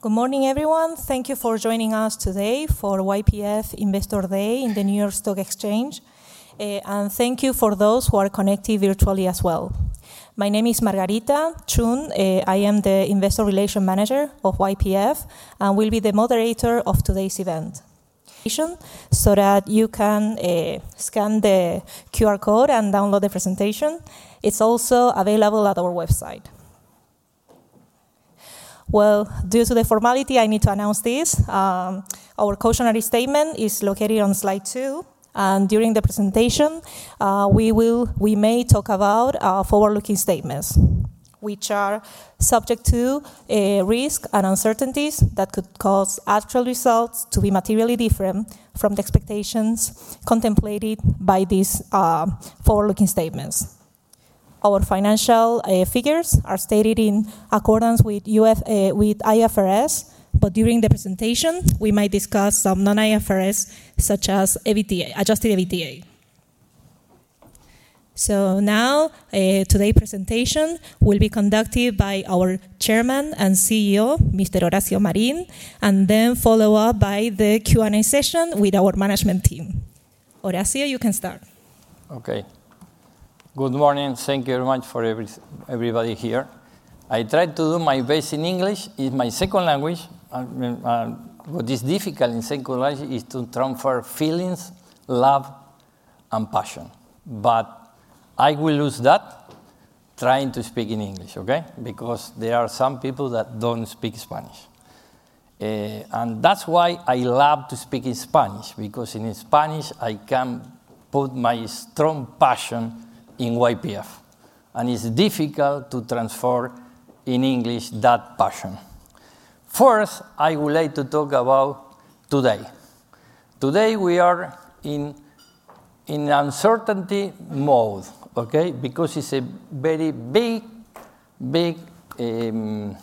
Good morning, everyone. Thank you for joining us today for YPF Investor Day in the New York Stock Exchange. Thank you for those who are connected virtually as well. My name is Margarita Chun. I am the Investor Relations Manager of YPF and will be the moderator of today's event. You can scan the QR code and download the presentation. It's also available at our website. Due to the formality, I need to announce this. Our cautionary statement is located on slide two. During the presentation, we may talk about forward-looking statements, which are subject to risks and uncertainties that could cause actual results to be materially different from the expectations contemplated by these forward-looking statements. Our financial figures are stated in accordance with IFRS, but during the presentation, we might discuss some non-IFRS, such as adjusted EBITDA. Now, today's presentation will be conducted by our Chairman and CEO, Mr. Horacio Marín, and then followed up by the Q&A session with our management team. Horacio, you can start. OK. Good morning. Thank you very much for everybody here. I tried to do my best in English. It's my second language. What is difficult in second language is to transfer feelings, love, and passion. I will lose that trying to speak in English, OK? There are some people that don't speak Spanish. That's why I love to speak in Spanish, because in Spanish, I can put my strong passion in YPF. It's difficult to transfer in English that passion. First, I would like to talk about today. Today, we are in uncertainty mode, OK? Because it's a very big, big... No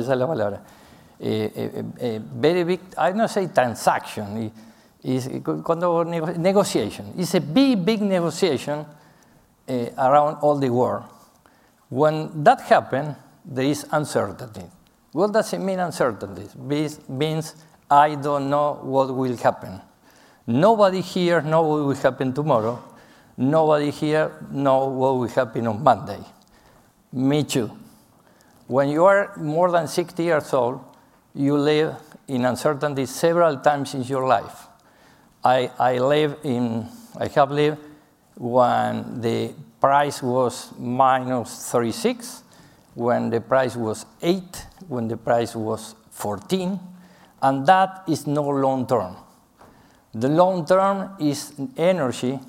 sé la palabra. Very big, I don't say transaction. Negotiation. It's a big, big negotiation around all the world. When that happens, there is uncertainty. What does it mean, uncertainty? It means I don't know what will happen. Nobody here knows what will happen tomorrow. Nobody here knows what will happen on Monday. Me too. When you are more than 60 years old, you live in uncertainty several times in your life. I have lived when the price was minus $36, when the price was $8, when the price was $14. That is no long term. The long term is energy.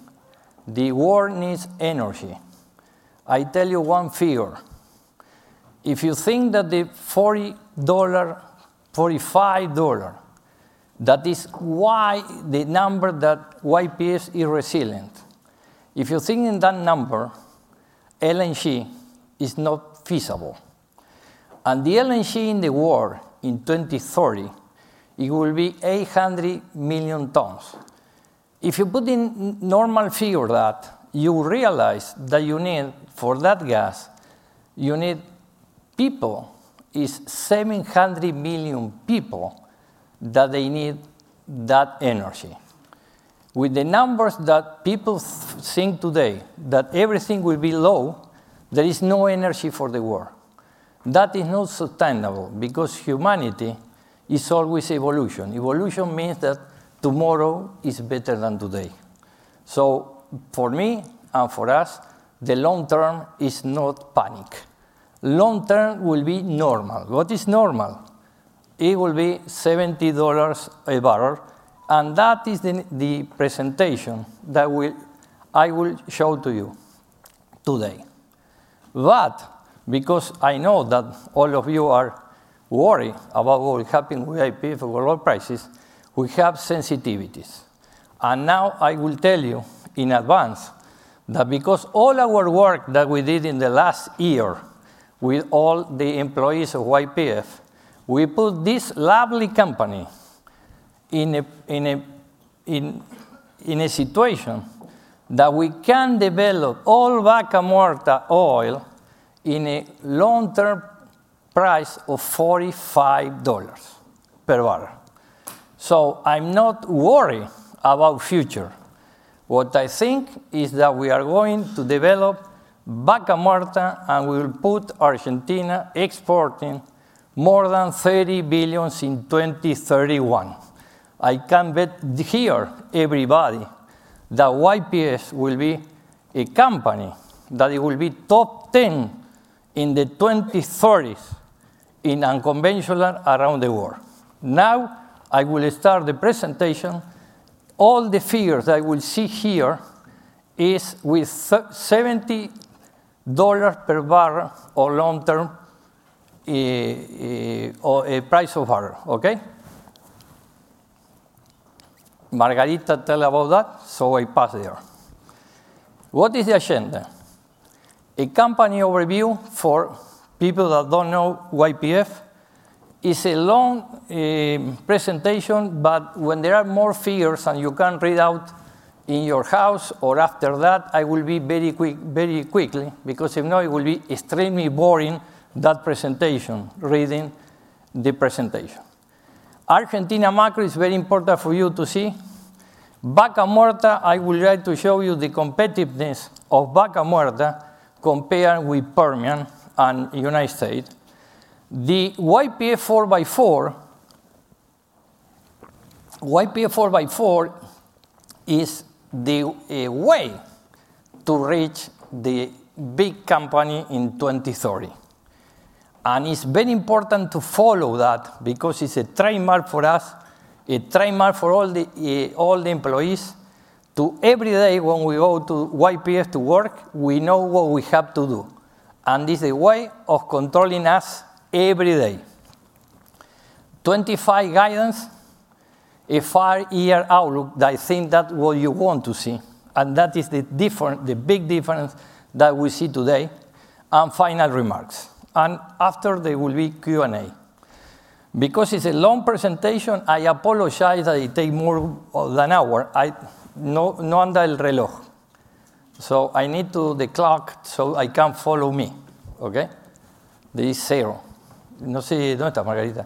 The world needs energy. I tell you one figure. If you think that the $45, that is why the number that YPF is resilient. If you think in that number, LNG is not feasible. The LNG in the world in 2030, it will be 800 million tons. If you put in normal figure that, you realize that you need for that gas, you need people. It is 700 million people that they need that energy. With the numbers that people think today that everything will be low, there is no energy for the world. That is not sustainable, because humanity is always evolution. Evolution means that tomorrow is better than today. For me and for us, the long term is not panic. Long term will be normal. What is normal? It will be $70 a barrel. That is the presentation that I will show to you today. I know that all of you are worried about what will happen with YPF and global prices, we have sensitivities. Now I will tell you in advance that because all our work that we did in the last year with all the employees of YPF, we put this lovely company in a situation that we can develop all Vaca Muerta oil in a long-term price of $45 per barrel. I'm not worried about the future. What I think is that we are going to develop Vaca Muerta and we will put Argentina exporting more than $30 billion in 2031. I can bet here, everybody, that YPF will be a company that will be top 10 in the 2030s in unconventional around the world. Now I will start the presentation. All the figures that you will see here are with $70 per barrel or long-term price of barrel, OK? Margarita tells about that, so I pass there. What is the agenda? A company overview for people that don't know YPF. It's a long presentation, but when there are more figures and you can read out in your house or after that, I will be very quick, very quickly, because if not, it will be extremely boring, that presentation, reading the presentation. Argentina macro is very important for you to see. Vaca Muerta, I would like to show you the competitiveness of Vaca Muerta compared with Permian and the United States. The YPF 4x4, YPF 4x4 is the way to reach the big company in 2030. It is very important to follow that, because it is a trademark for us, a trademark for all the employees. Every day when we go to YPF to work, we know what we have to do. It is a way of controlling us every day. 25 guidance, a five-year outlook. I think that is what you want to see. That is the big difference that we see today. Final remarks. After, there will be Q&A. Because it is a long presentation, I apologize that it takes more than an hour. No anda el reloj. I need the clock so I can follow me, OK? There is zero. No sé, ¿dónde está Margarita?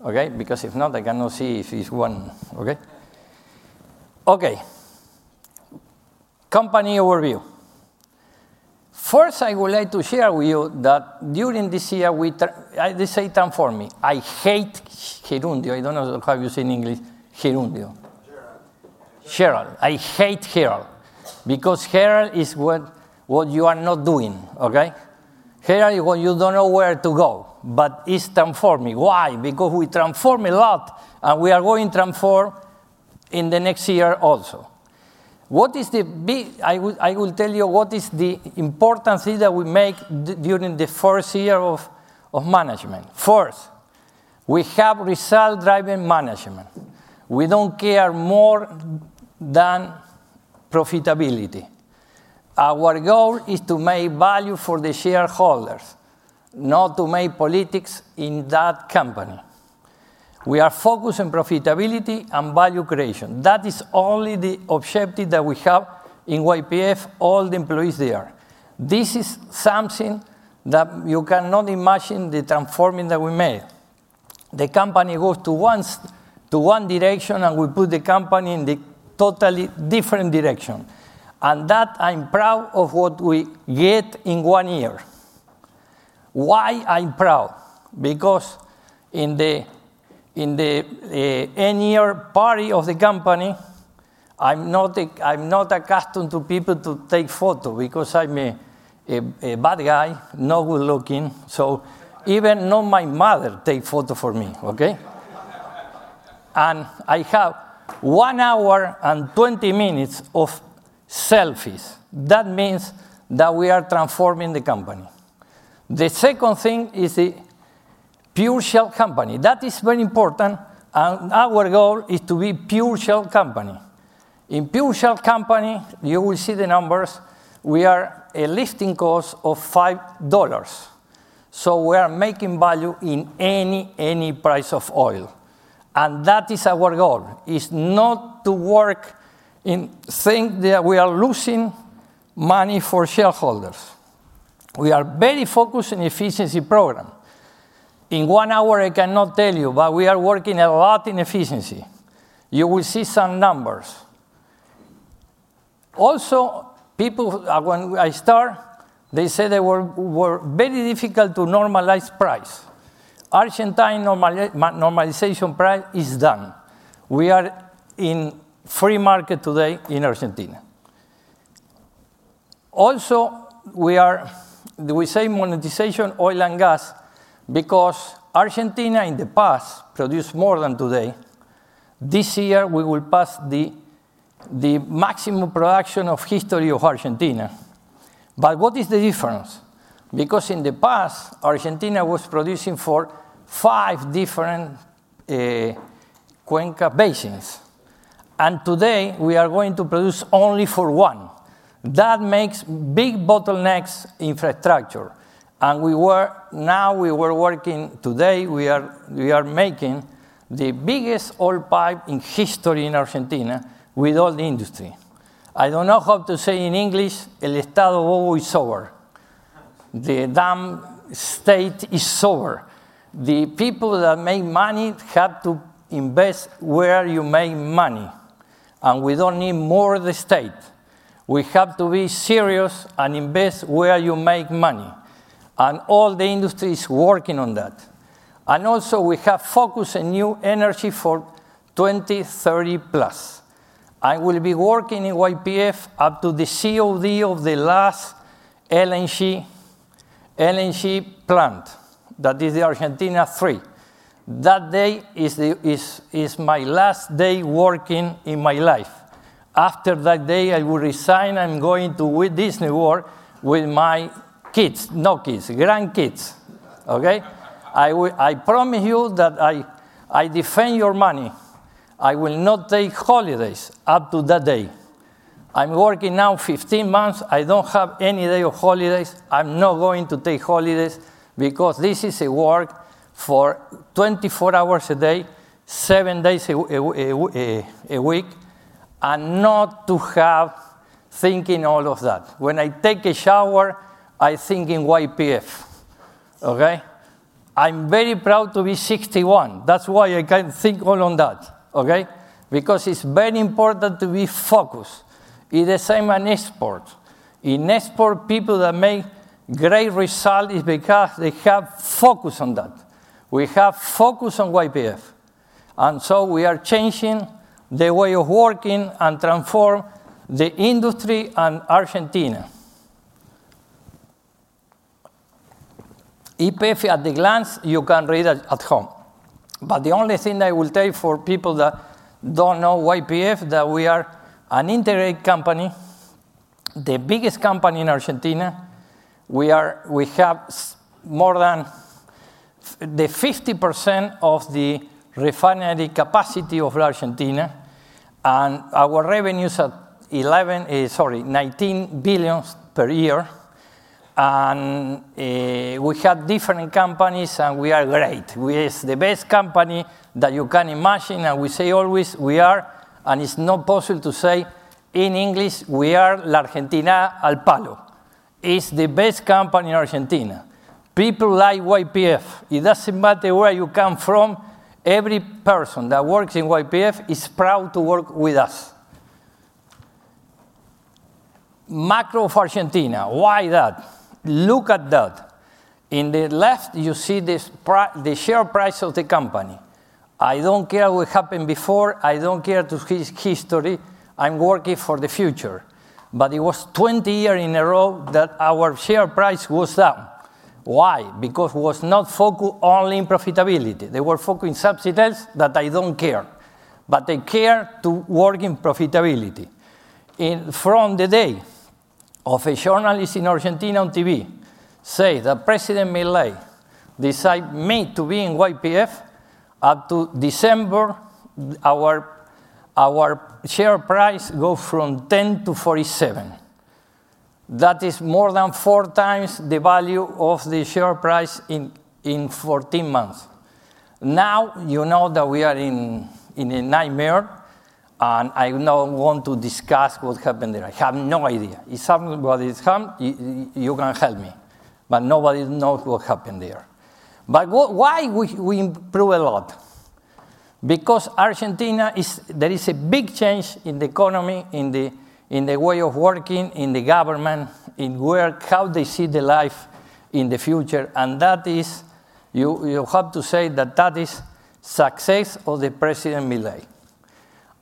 OK? Because if not, I cannot see if it's one, OK? OK. Company overview. First, I would like to share with you that during this year, we they say transform me. I hate gerundio. I don't know how you say in English gerundio. Gerald. Gerald. Gerald. I hate Gerald, because Gerald is what you are not doing, OK? Gerald is what you do not know where to go, but it is transform me. Why? Because we transform a lot, and we are going to transform in the next year also. What is the big I will tell you what is the importance that we make during the first year of management. First, we have result-driven management. We do not care more than profitability. Our goal is to make value for the shareholders, not to make politics in that company. We are focused on profitability and value creation. That is only the objective that we have in YPF, all the employees there. This is something that you cannot imagine the transforming that we made. The company goes to one direction, and we put the company in the totally different direction. I am proud of what we get in one year. Why am I proud? Because in the end-year party of the company, I am not accustomed to people taking photos, because I am a bad guy, not good-looking. Even my mother does not take photos of me, OK? I had one hour and 20 minutes of selfies. That means that we are transforming the company. The second thing is the pure shale company. That is very important. Our goal is to be a pure shale company. In a pure shale company, you will see the numbers. We are at a lifting cost of $5. We are making value at any price of oil. That is our goal. It is not to work and think that we are losing money for shareholders. We are very focused on the efficiency program. In one hour, I cannot tell you, but we are working a lot in efficiency. You will see some numbers. Also, people, when I start, they say that we're very difficult to normalize price. Argentine normalization price is done. We are in free market today in Argentina. Also, we are, we say monetization oil and gas, because Argentina in the past produced more than today. This year, we will pass the maximum production of history of Argentina. What is the difference? In the past, Argentina was producing for five different Cuenca basins. Today, we are going to produce only for one. That makes big bottlenecks in infrastructure. We were, now we were working, today we are making the biggest oil pipe in history in Argentina with all the industry. I don't know how to say in English, el estado bobo es sober. The damn state is sober. The people that make money have to invest where you make money. We do not need more of the state. We have to be serious and invest where you make money. All the industry is working on that. Also, we have focus on new energy for 2030 plus. I will be working in YPF up to the COD of the last LNG plant. That is the Argentina three. That day is my last day working in my life. After that day, I will resign. I am going to Disney World with my kids. No kids, grandkids, OK? I promise you that I defend your money. I will not take holidays up to that day. I am working now 15 months. I do not have any day of holidays. I'm not going to take holidays, because this is a work for 24 hours a day, seven days a week, and not to have thinking all of that. When I take a shower, I think in YPF, OK? I'm very proud to be 61. That's why I can think all on that, OK? Because it's very important to be focused. It's the same in export. In export, people that make great result is because they have focus on that. We have focus on YPF. We are changing the way of working and transform the industry and Argentina. YPF, at a glance, you can read that at home. The only thing I will tell for people that don't know YPF, that we are an integrated company, the biggest company in Argentina. We have more than 50% of the refinery capacity of Argentina. Our revenues are $11 billion, sorry, $19 billion per year. We have different companies, and we are great. We are the best company that you can imagine. We say always we are, and it's not possible to say in English, we are la Argentina al palo. It's the best company in Argentina. People like YPF. It doesn't matter where you come from. Every person that works in YPF is proud to work with us. Macro of Argentina. Why that? Look at that. In the left, you see the share price of the company. I don't care what happened before. I don't care to his history. I'm working for the future. It was 20 years in a row that our share price was down. Why? Because it was not focused only on profitability. They were focused on subsidies that I don't care. They care to work in profitability. From the day of a journalist in Argentina on TV saying that President Milei decided me to be in YPF, up to December, our share price goes from $10 to $47. That is more than four times the value of the share price in 14 months. Now you know that we are in a nightmare. I don't want to discuss what happened there. I have no idea. If somebody comes, you can help me. Nobody knows what happened there. Why we improve a lot? Argentina is there is a big change in the economy, in the way of working, in the government, in how they see the life in the future. You have to say that that is success of President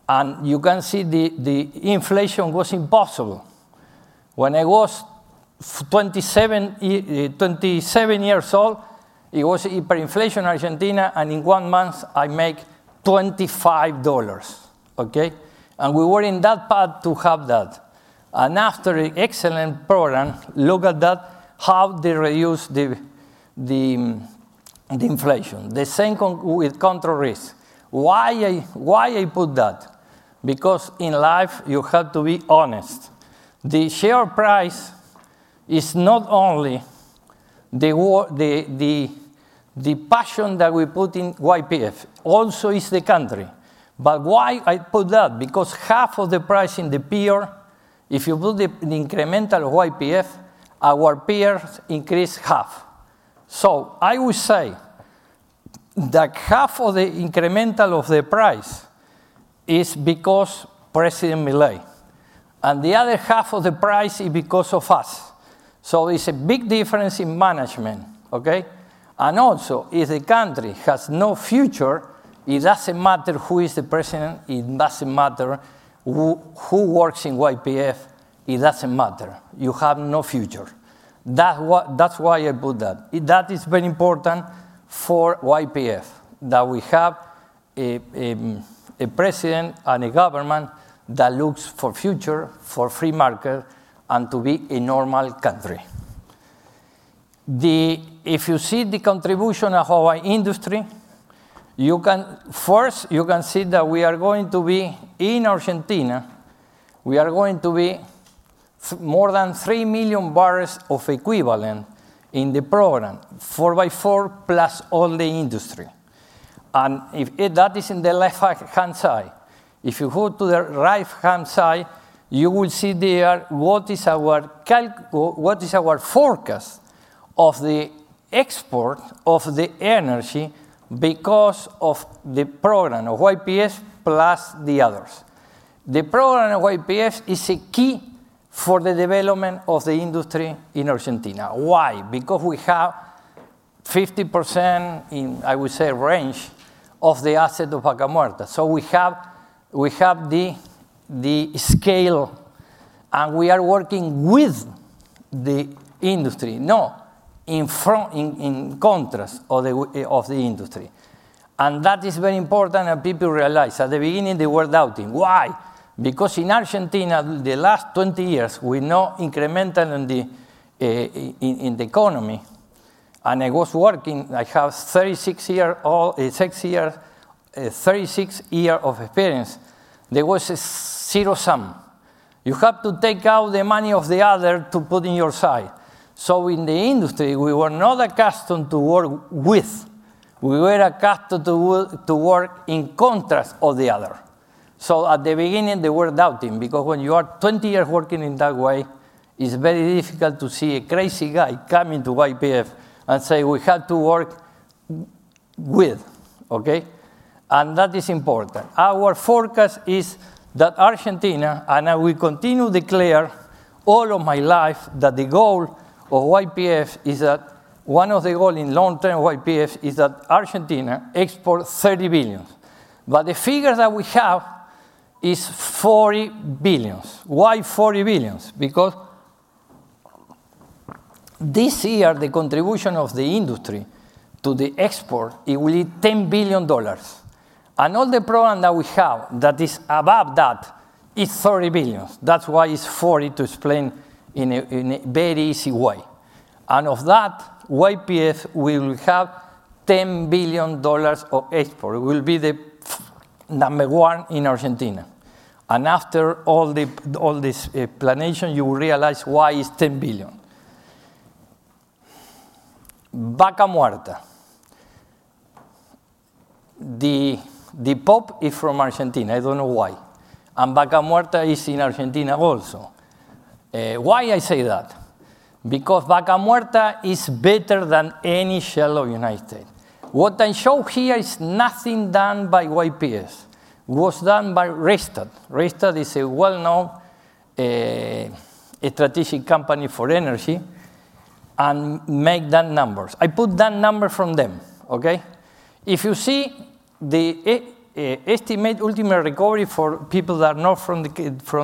Milei. You can see the inflation was impossible. When I was 27 years old, it was hyperinflation in Argentina. In one month, I make $25, OK? We were in that path to have that. After the excellent program, look at that, how they reduced the inflation. The same with contrary risk. Why I put that? Because in life, you have to be honest. The share price is not only the passion that we put in YPF. Also is the country. Why I put that? Because half of the price in the peer, if you put the incremental of YPF, our peers increase half. I would say that half of the incremental of the price is because of President Milei. The other half of the price is because of us. It is a big difference in management, OK? Also, if the country has no future, it does not matter who is the president. It doesn't matter who works in YPF. It doesn't matter. You have no future. That's why I put that. That is very important for YPF, that we have a president and a government that looks for future, for free market, and to be a normal country. If you see the contribution of our industry, you can first, you can see that we are going to be in Argentina. We are going to be more than 3 million barrels of equivalent in the program, 4x4 plus all the industry. If that is in the left-hand side, if you go to the right-hand side, you will see there what is our forecast of the export of the energy because of the program of YPF plus the others. The program of YPF is a key for the development of the industry in Argentina. Why? Because we have 50%, I would say, range of the asset of Vaca Muerta. We have the scale. We are working with the industry, not in contrast of the industry. That is very important. People realize at the beginning, they were doubting. Why? Because in Argentina, the last 20 years, we know incremental in the economy. I was working, I have 36 years, 36 years of experience. There was a zero sum. You have to take out the money of the other to put in your side. In the industry, we were not accustomed to work with. We were accustomed to work in contrast of the other. At the beginning, they were doubting. When you are 20 years working in that way, it's very difficult to see a crazy guy coming to YPF and say, we have to work with, OK? That is important. Our forecast is that Argentina, and we continue to declare all of my life that the goal of YPF is that one of the goals in long-term YPF is that Argentina exports $30 billion. The figure that we have is $40 billion. Why $40 billion? This year, the contribution of the industry to the export, it will be $10 billion. All the program that we have that is above that is $30 billion. That is why it is $40 billion to explain in a very easy way. Of that, YPF will have $10 billion of export. It will be the number one in Argentina. After all this explanation, you will realize why it is $10 billion. Vaca Muerta. The pop is from Argentina. I do not know why. Vaca Muerta is in Argentina also. Why I say that? Because Vaca Muerta is better than any shale of the United States. What I show here is nothing done by YPF. It was done by Rystad. Rystad is a well-known strategic company for energy and makes that numbers. I put that number from them, OK? If you see the estimate ultimate recovery for people that are not from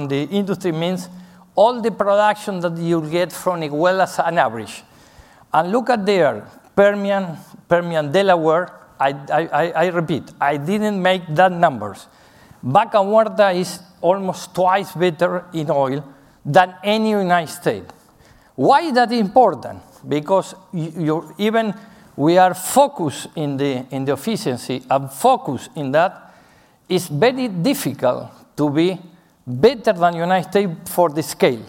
the industry means all the production that you get from it well as an average. Look at there, Permian Delaware. I repeat, I didn't make that numbers. Vaca Muerta is almost twice better in oil than any United States. Why is that important? Because even we are focused in the efficiency and focus in that, it's very difficult to be better than the United States for the scale.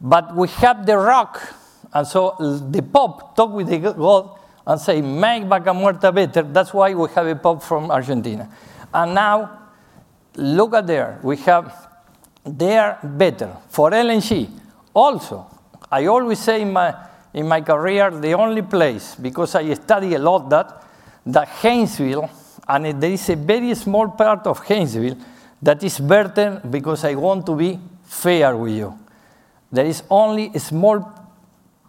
We have the rock. The pop talk with the world and say, make Vaca Muerta better. That's why we have a pop from Argentina. Now look at there. We have there better for LNG. Also, I always say in my career, the only place, because I study a lot, that Hainesville, and there is a very small part of Hainesville that is better because I want to be fair with you. There is only a small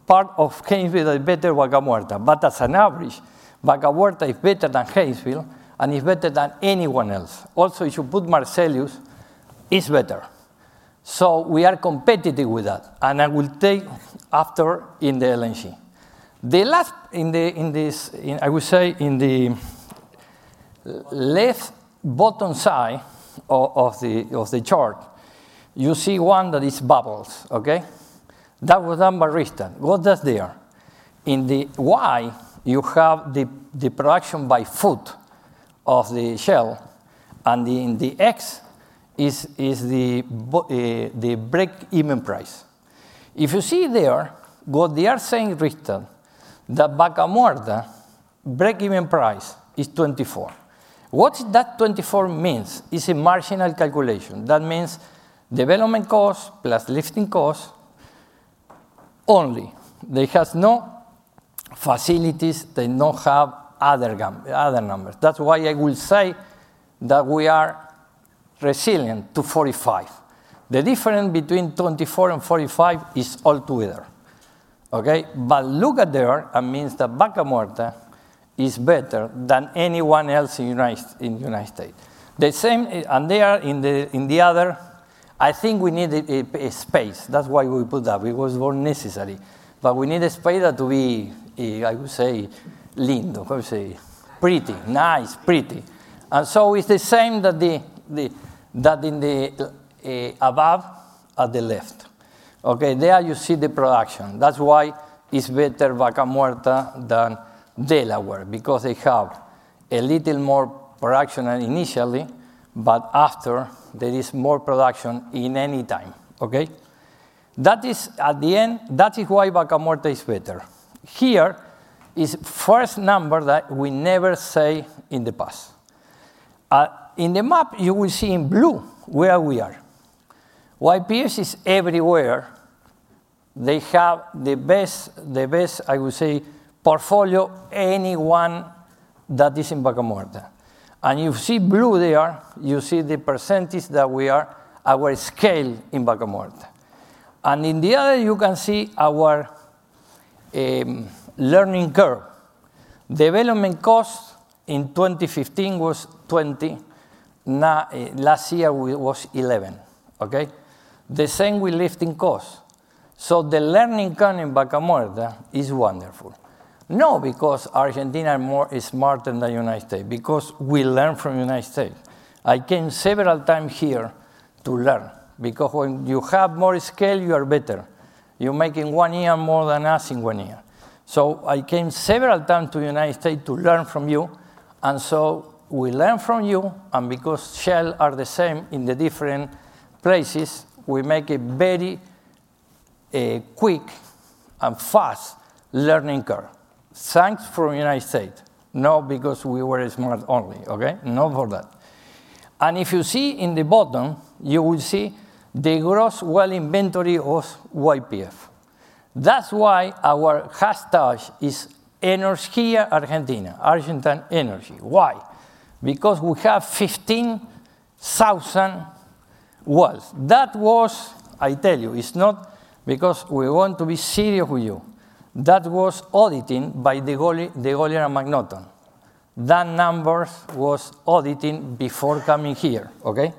part of Hainesville that is better than Vaca Muerta. As an average, Vaca Muerta is better than Hainesville, and it's better than anyone else. Also, if you put Marcellus, it's better. We are competitive with that. I will take after in the LNG. The last in this, I would say in the left bottom side of the chart, you see one that is bubbles, OK? That was done by Rystad. What does there? In the Y, you have the production by foot of the shale. In the X is the break-even price. If you see there, what they are saying, Rystad, that Vaca Muerta break-even price is $24. What that $24 means is a marginal calculation. That means development cost plus lifting cost only. They have no facilities. They do not have other numbers. That is why I will say that we are resilient to $45. The difference between $24 and $45 is all together, OK? Look at there. It means that Vaca Muerta is better than anyone else in the United States. The same, and there in the other, I think we needed a space. That is why we put that. It was more necessary. We need a space that to be, I would say, lean, I would say, pretty, nice, pretty. It is the same that in the above at the left, OK? There you see the production. That's why it's better Vaca Muerta than Delaware, because they have a little more production initially. After, there is more production in any time, OK? That is at the end, that is why Vaca Muerta is better. Here is the first number that we never say in the past. In the map, you will see in blue where we are. YPF is everywhere. They have the best, I would say, portfolio anyone that is in Vaca Muerta. You see blue there. You see the percentage that we are, our scale in Vaca Muerta. In the other, you can see our learning curve. Development cost in 2015 was $20. Last year, it was $11, OK? The same with lifting cost. The learning curve in Vaca Muerta is wonderful. Not because Argentina is smarter than the United States, because we learn from the United States. I came several times here to learn, because when you have more scale, you are better. You're making one year more than us in one year. I came several times to the United States to learn from you. We learn from you. Because shells are the same in the different places, we make a very quick and fast learning curve. Thanks for the United States. No, because we were smart only, OK? Not for that. If you see in the bottom, you will see the gross well inventory of YPF. That's why our hashtag is Energía Argentina, Argentine Energy. Why? Because we have 15,000 wells. That was, I tell you, it's not because we want to be serious with you. That was audited by the Eolian Magneton. That number was audited before coming here, OK?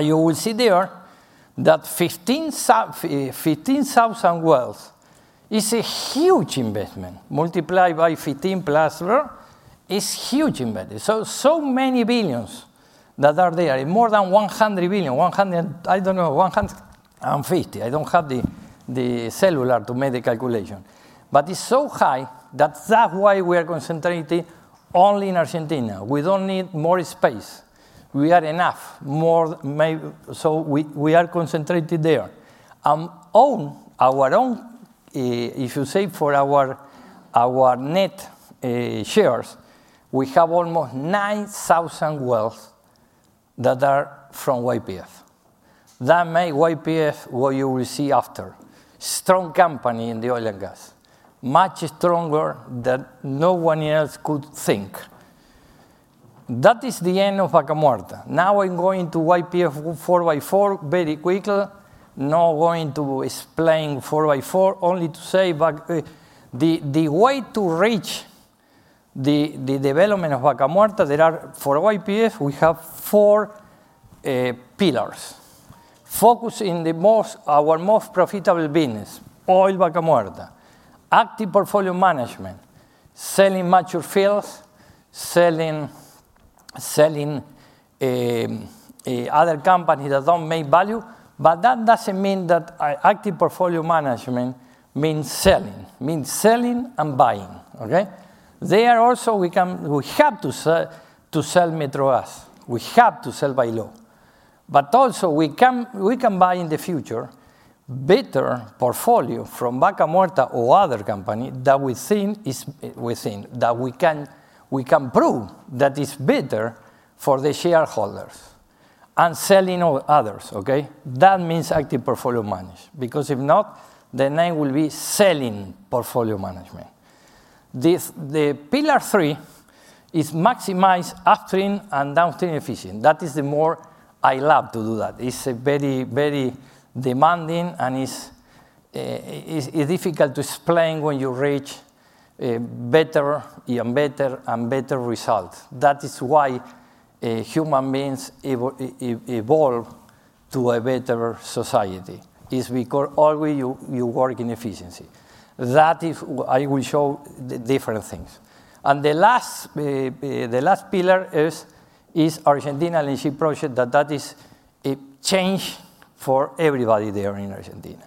You will see there that 15,000 wells is a huge investment. Multiply by 15 plus, it is a huge investment. So many billions that are there. More than $100 billion. I do not know. $150 billion. I do not have the cellular to make the calculation. It is so high that that is why we are concentrating only in Argentina. We do not need more space. We are enough. We are concentrated there. Our own, if you say, for our net shares, we have almost 9,000 wells that are from YPF. That makes YPF what you will see after. Strong company in the oil and gas. Much stronger than no one else could think. That is the end of Vaca Muerta. Now I am going to YPF 4x4 very quickly. Not going to explain 4x4, only to say the way to reach the development of Vaca Muerta, there are for YPF, we have four pillars. Focus in our most profitable business, oil Vaca Muerta. Active portfolio management, selling mature fields, selling other companies that don't make value. That doesn't mean that active portfolio management means selling. Means selling and buying, OK? There also, we have to sell Metro Gas. We have to sell by law. Also, we can buy in the future better portfolio from Vaca Muerta or other company that we think is within that we can prove that it's better for the shareholders. Selling others, OK? That means active portfolio management. If not, the name will be selling portfolio management. The pillar three is maximize upstream and downstream efficiency. That is the more I love to do that. It's a very, very demanding and it's difficult to explain when you reach better and better and better results. That is why human beings evolve to a better society. It's because always you work in efficiency. That is, I will show the different things. The last pillar is Argentina LNG project. That is a change for everybody there in Argentina.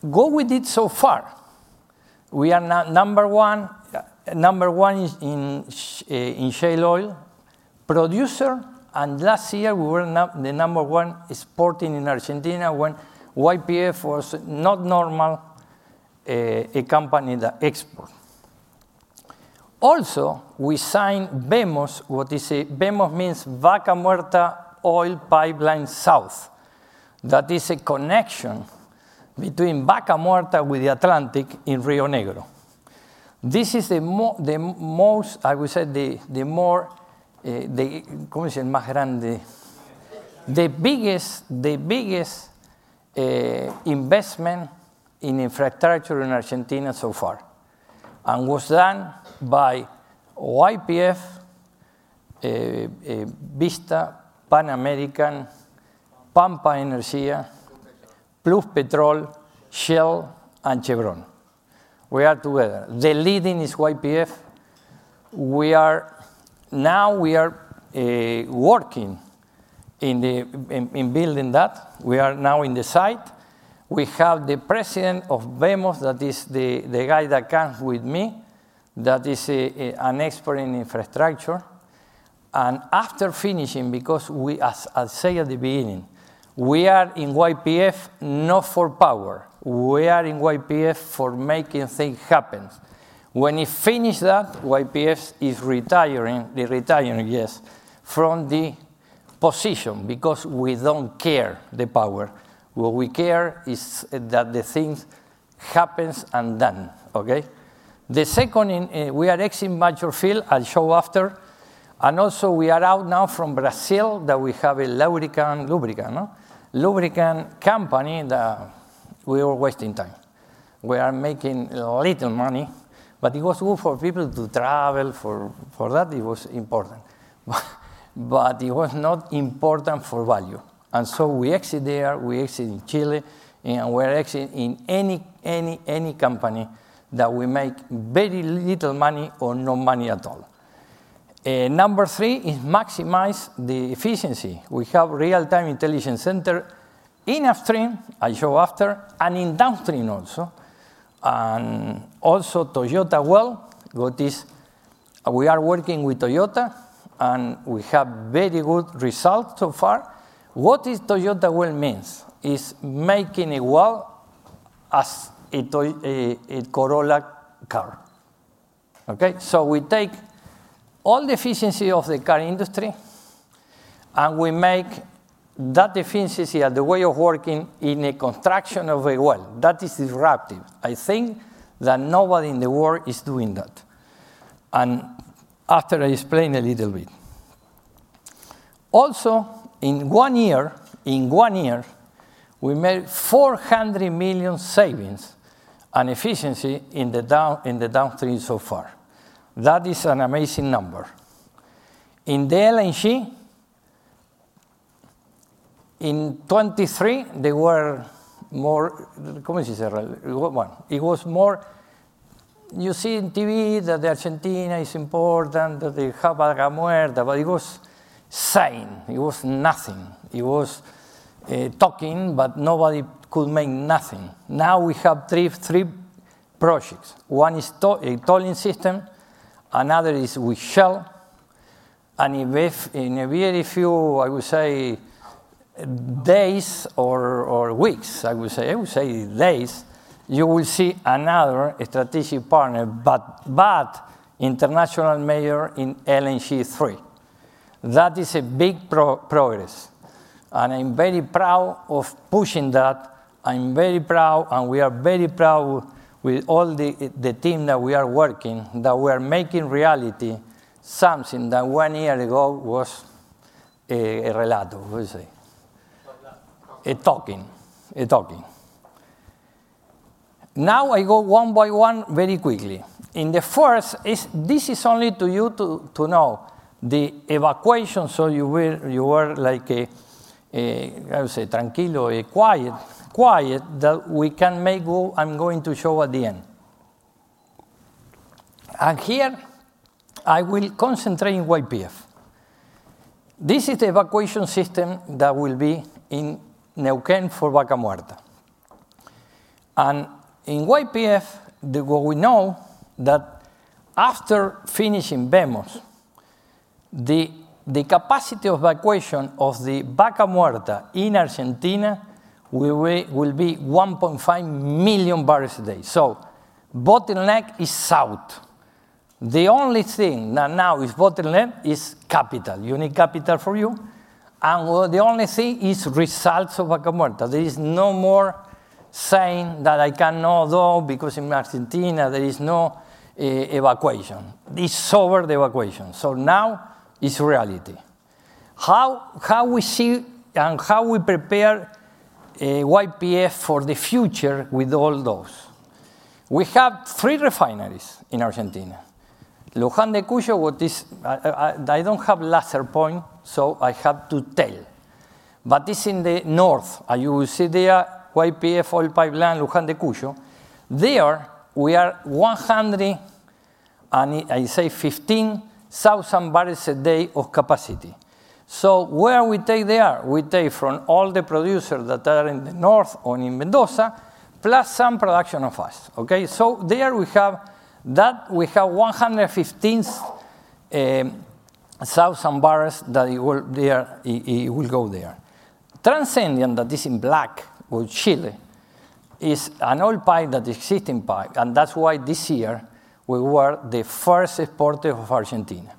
What we did so far, we are number one in shale oil producer. Last year, we were the number one exporting in Argentina when YPF was not normal, a company that export. Also, we signed VEMOS. What is VEMOS? It means Vaca Muerta Oil Pipeline South. That is a connection between Vaca Muerta with the Atlantic in Río Negro. This is the most, I would say, the more, the biggest investment in infrastructure in Argentina so far. It was done by YPF, Vista, Pan American, Pampa Energía, Pluspetrol, Shell, and Chevron. We are together. The leading is YPF. Now we are working in building that. We are now in the site. We have the President of VEMOS, that is the guy that comes with me, that is an expert in infrastructure. After finishing, because we, as I say at the beginning, we are in YPF not for power. We are in YPF for making things happen. When you finish that, YPF is retiring, the retirement, yes, from the position, because we do not care about the power. What we care is that the things happen and done, OK? The second, we are exiting mature field, I will show after. Also, we are out now from Brazil that we have a lubricant company that we are wasting time. We are making a little money. It was good for people to travel for that. It was important. It was not important for value. We exit there. We exit in Chile. We're exiting in any company that we make very little money or no money at all. Number three is maximize the efficiency. We have real-time intelligence center in upstream, I'll show after, and in downstream also. Also, Toyota well. What is we are working with Toyota. We have very good results so far. What Toyota well means is making a well as a Corolla car, OK? We take all the efficiency of the car industry, and we make that efficiency as the way of working in a construction of a well. That is disruptive. I think that nobody in the world is doing that. After, I'll explain a little bit. Also, in one year, in one year, we made $400 million savings and efficiency in the downstream so far. That is an amazing number. In the LNG, in 2023, there were more, it was more. You see in TV that Argentina is important, that they have Vaca Muerta. But it was saying. It was nothing. It was talking, but nobody could make nothing. Now we have three projects. One is a tolling system. Another is with Shell. And in a very few, I would say, days or weeks, I would say, I would say days, you will see another strategic partner, but international major in LNG three. That is a big progress. And I'm very proud of pushing that. I'm very proud. And we are very proud with all the team that we are working, that we are making reality something that one year ago was a relato, what do you say? A talking. A talking. Now I go one by one very quickly. In the first, this is only to you to know the evacuation. You were like, I would say, tranquilo, quiet, quiet, that we can make what I'm going to show at the end. Here, I will concentrate on YPF. This is the evacuation system that will be in Neuquén for Vaca Muerta. In YPF, what we know is that after finishing VEMOS, the capacity of evacuation of the Vaca Muerta in Argentina will be 1.5 million barrels a day. Bottleneck is south. The only thing that now is bottleneck is capital. You need capital for you. The only thing is results of Vaca Muerta. There is no more saying that I cannot go because in Argentina there is no evacuation. It's over the evacuation. Now it's reality. How we see and how we prepare YPF for the future with all those. We have three refineries in Argentina. Luján de Cuyo, what is I don't have a lesser point, so I have to tell. It is in the north. You will see there, YPF, oil pipeline, Luján de Cuyo. There, we are 115,000 barrels a day of capacity. What do we take there? We take from all the producers that are in the north or in Mendoza, plus some production of us, OK? There we have that we have 115,000 barrels that will go there. Transandino, that is in black with Chile, is an oil pipe that exists in pipe. That is why this year we were the first exporter of Argentina.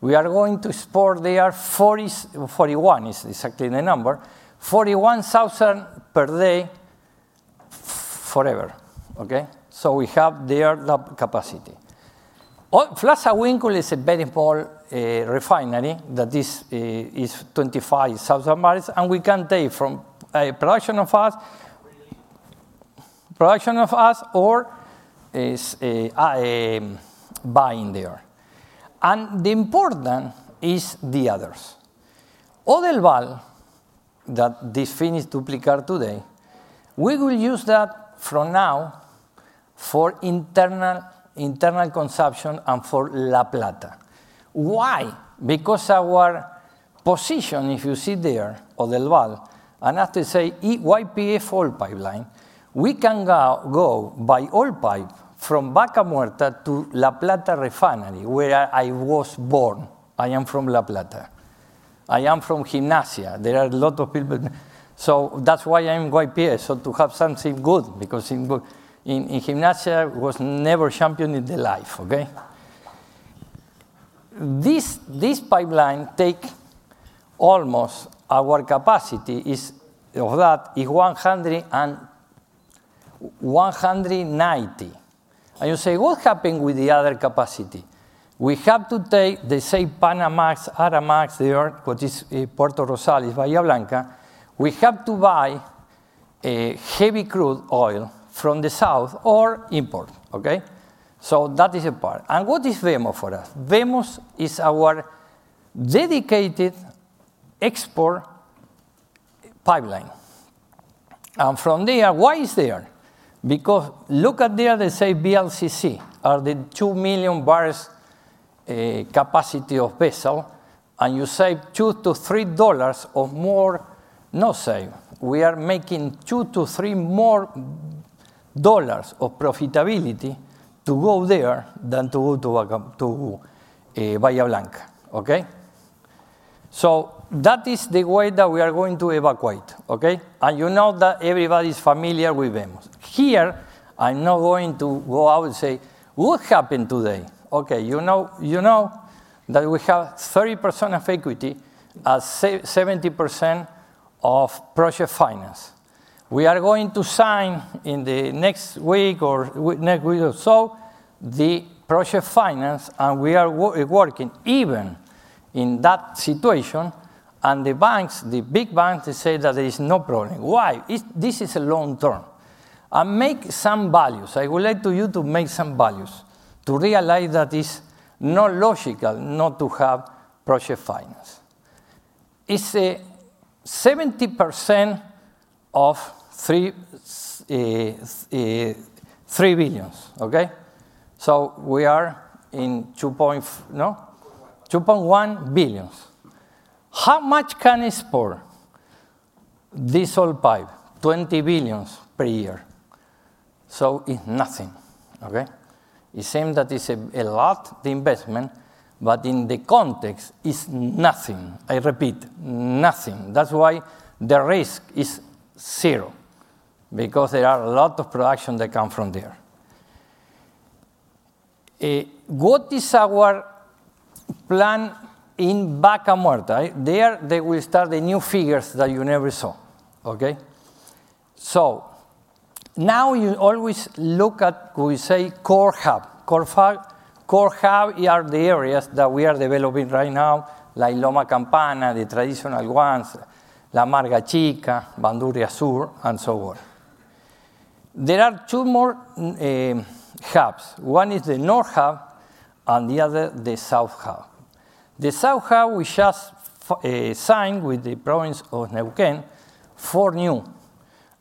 We are going to export there 41, exactly the number, 41,000 per day forever, OK? We have there that capacity. Plaza Huincul is a very small refinery that is 25,000 barrels. We can take from production of us, production of us or buying there. The important is the others. Oldelval that is finished duplicate today, we will use that from now for internal conception and for La Plata. Why? Because our position, if you see there, Oldelval, and after say YPF oil pipeline, we can go by oil pipe from Vaca Muerta to La Plata refinery, where I was born. I am from La Plata. I am from Gimnasia. There are a lot of people. That is why I am YPF, to have something good. Because in Gimnasia, it was never champion in the life, OK? This pipeline takes almost our capacity of that is 190. You say, what happened with the other capacity? We have to take the same Panamax, Aramax, what is Puerto Rosales, Bahía Blanca. We have to buy heavy crude oil from the south or import, OK? That is a part. What is VEMOS for us? VEMOS is our dedicated export pipeline. From there, why is there? Because look at there, they say VLCC are the 2 million barrels capacity of vessel. You save $2-$3 or more, no save. We are making $2-$3 more dollars of profitability to go there than to Bahía Blanca, OK? That is the way that we are going to evacuate, OK? You know that everybody's familiar with VEMOS. Here, I'm not going to go out and say, what happened today? You know that we have 30% of equity and 70% of project finance. We are going to sign in the next week or next week or so the project finance. We are working even in that situation. The banks, the big banks, they say that there is no problem. Why? This is long term. Make some values. I would like you to make some values to realize that it's not logical not to have project finance. It's 70% of $3 billion, OK? We are in $2.1 billion. How much can I export this oil pipe? $20 billion per year. It's nothing, OK? It seems that it's a lot of investment. In the context, it's nothing. I repeat, nothing. That's why the risk is zero, because there is a lot of production that comes from there. What is our plan in Vaca Muerta? There they will start the new figures that you never saw, OK? Now you always look at what we say core hub. Core hub are the areas that we are developing right now, like Loma Campana, the traditional ones, La Marga Chica, Bandurria Sur, and so on. There are two more hubs. One is the north hub and the other the south hub. The south hub, we just signed with the province of Neuquén for new.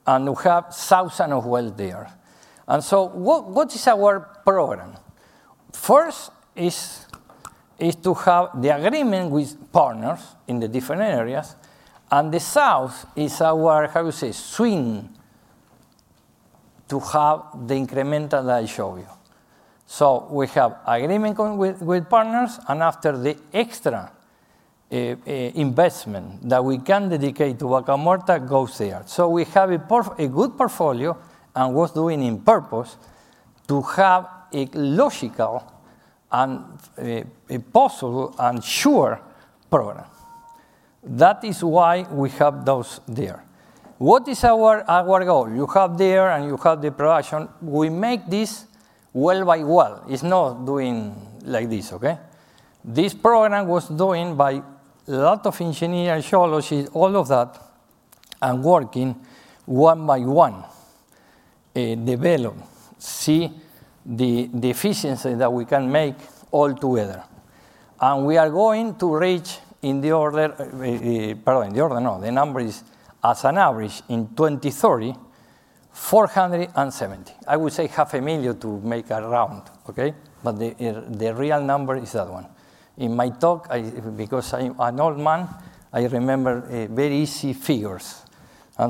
We have thousands of wells there. What is our program? First is to have the agreement with partners in the different areas. The south is our, how do you say, swing to have the incremental that I showed you. We have agreement with partners. After the extra investment that we can dedicate to Vaca Muerta goes there. We have a good portfolio and was doing in purpose to have a logical and possible and sure program. That is why we have those there. What is our goal? You have there and you have the production. We make this well by well. It's not doing like this, OK? This program was done by a lot of engineers, geology, all of that, and working one by one, develop, see the efficiency that we can make all together. We are going to reach, in the order—pardon, in the order, no, the number is as an average in 2030, 470,000. I would say 500,000 to make a round, OK? The real number is that one. In my talk, because I'm an old man, I remember very easy figures.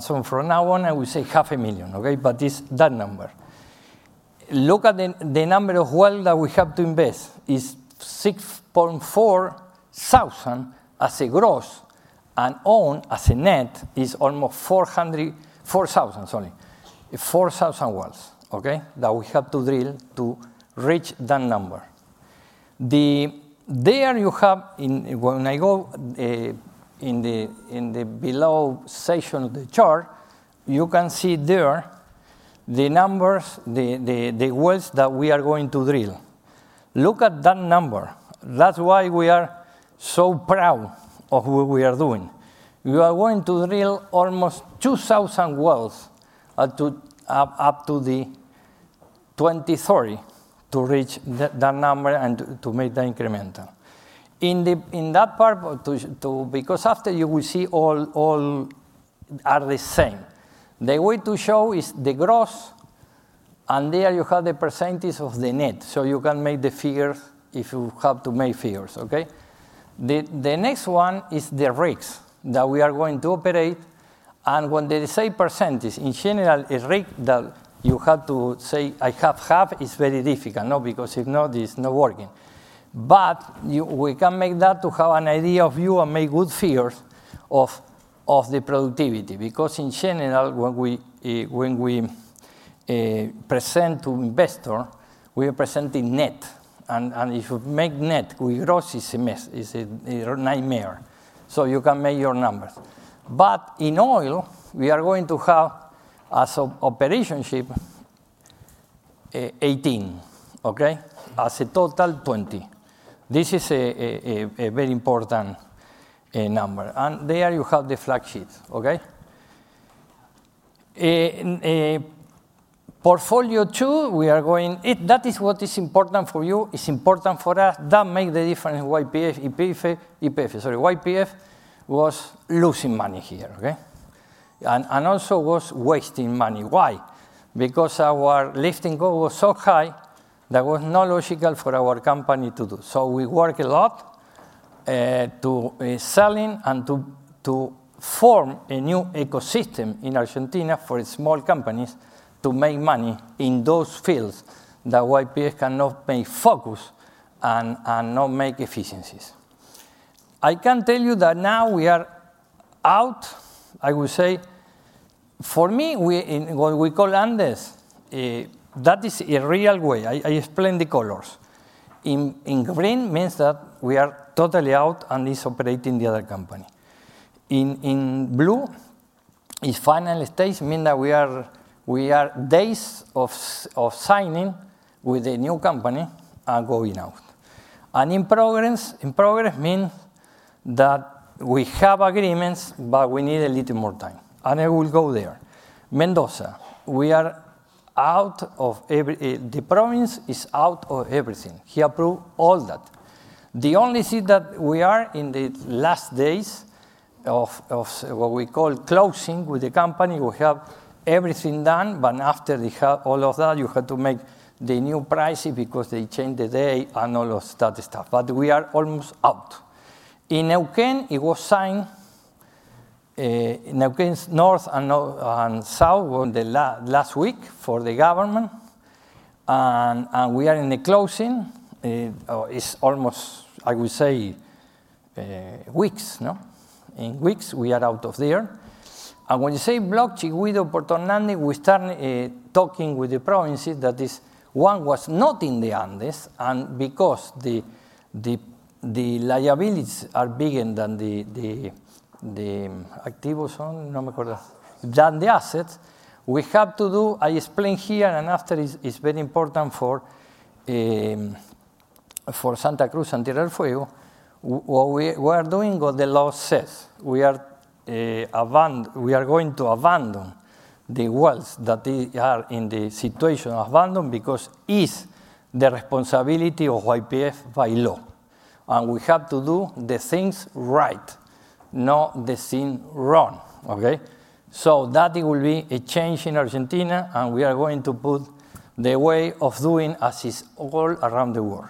From now on, I will say 500,000, OK? It is that number. Look at the number of wells that we have to invest. It is 6,400 as a gross. Own as a net is almost 4,000, sorry, 4,000 wells, OK, that we have to drill to reach that number. There you have, when I go in the below section of the chart, you can see there the numbers, the wells that we are going to drill. Look at that number. That is why we are so proud of what we are doing. We are going to drill almost 2,000 wells up to 2030 to reach that number and to make the incremental. In that part, because after you will see all are the same. The way to show is the gross. There you have the percentage of the net. You can make the figures if you have to make figures, OK? The next one is the rigs that we are going to operate. When they say percentage, in general, a rig that you have to say I have half is very difficult, no, because if not, it's not working. We can make that to have an idea of you and make good figures of the productivity. Because in general, when we present to investor, we are presenting net. If you make net, gross is a nightmare. You can make your numbers. In oil, we are going to have as operationship 18, OK? As a total, 20. This is a very important number. There you have the flag sheet, OK? Portfolio two, we are going that is what is important for you, is important for us. That makes the difference YPF, sorry, YPF was losing money here, OK? Also was wasting money. Why? Because our lifting goal was so high that was not logical for our company to do. We work a lot to selling and to form a new ecosystem in Argentina for small companies to make money in those fields that YPF cannot make focus and not make efficiencies. I can tell you that now we are out, I would say, for me, what we call Andes, that is a real way. I explain the colors. In green means that we are totally out and is operating the other company. In blue is final stage means that we are days of signing with the new company and going out. In progress means that we have agreements, but we need a little more time. It will go there. Mendoza, we are out of the province, is out of everything. He approved all that. The only thing that we are in the last days of what we call closing with the company, we have everything done. After they have all of that, you have to make the new price because they change the day and all of that stuff. We are almost out. In Neuquén, it was signed, Neuquén's north and south, the last week for the government. We are in the closing. It's almost, I would say, weeks, no, in weeks we are out of there. When you say blockchain with Opportunande, we start talking with the provinces that this one was not in the Andes. Because the liabilities are bigger than the activos on, no me acord, than the assets, we have to do I explain here and after it's very important for Santa Cruz and Tierra del Fuego. What we are doing or the law says we are going to abandon the wells that they are in the situation of abandon because it's the responsibility of YPF by law. We have to do the things right, not the thing wrong, OK? That will be a change in Argentina. We are going to put the way of doing as is all around the world.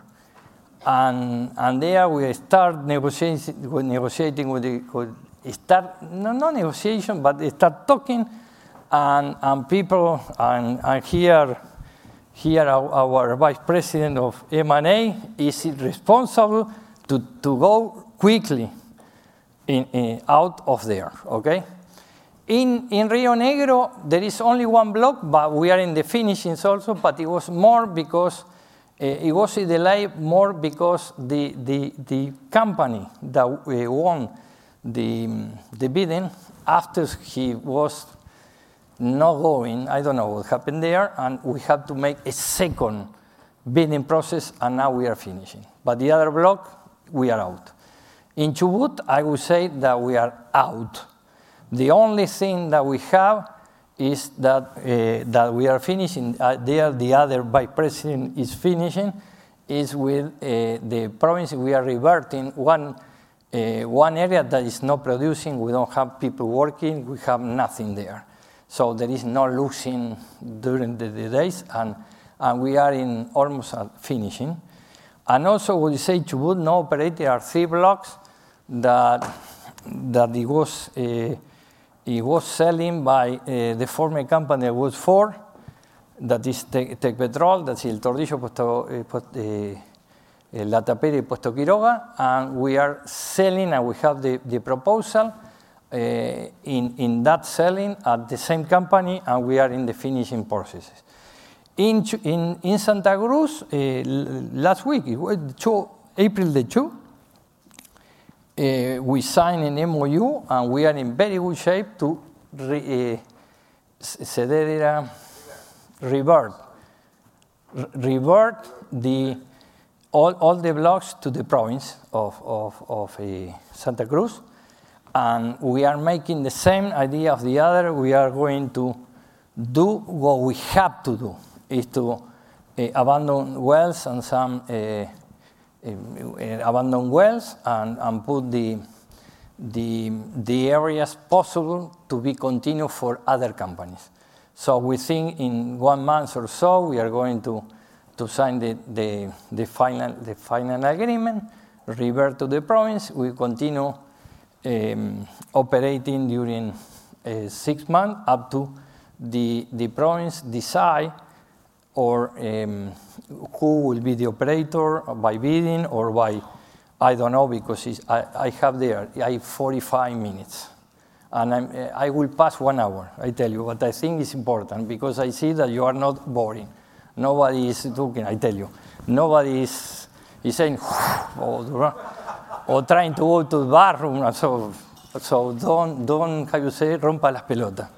There we start negotiating with the start, not negotiation, but start talking. People and here our Vice President of M&A is responsible to go quickly out of there, OK? In Río Negro, there is only one block, but we are in the finishing also. It was more because it was in the light more because the company that won the bidding after he was not going, I don't know what happened there. We have to make a second bidding process. Now we are finishing. The other block, we are out. In Chubut, I would say that we are out. The only thing that we have is that we are finishing. There, the other Vice President is finishing with the province. We are reverting one area that is not producing. We do not have people working. We have nothing there. There is no losing during the days. We are almost finishing. Also, what you say, Chubut not operating are three blocks that were sold by the former company, that was four, that is Tecpetrol, that is El Tordillo, La Tapera, Puerto Quiroga. We are selling and we have the proposal in that selling at the same company. We are in the finishing processes. In Santa Cruz, last week, April the 2, we signed an MOU. We are in very good shape to revert all the blocks to the province of Santa Cruz. We are making the same idea of the other. We are going to do what we have to do, which is to abandon wells and some abandon wells and put the areas possible to be continued for other companies. We think in one month or so, we are going to sign the final agreement, revert to the province. We continue operating during six months up to the province decide or who will be the operator by bidding or by I do not know, because I have there, I have 45 minutes. I will pass one hour, I tell you. I think it is important because I see that you are not boring. Nobody is looking, I tell you. Nobody is saying or trying to go to the bathroom. Do not, how do you say, rompa las pelotas,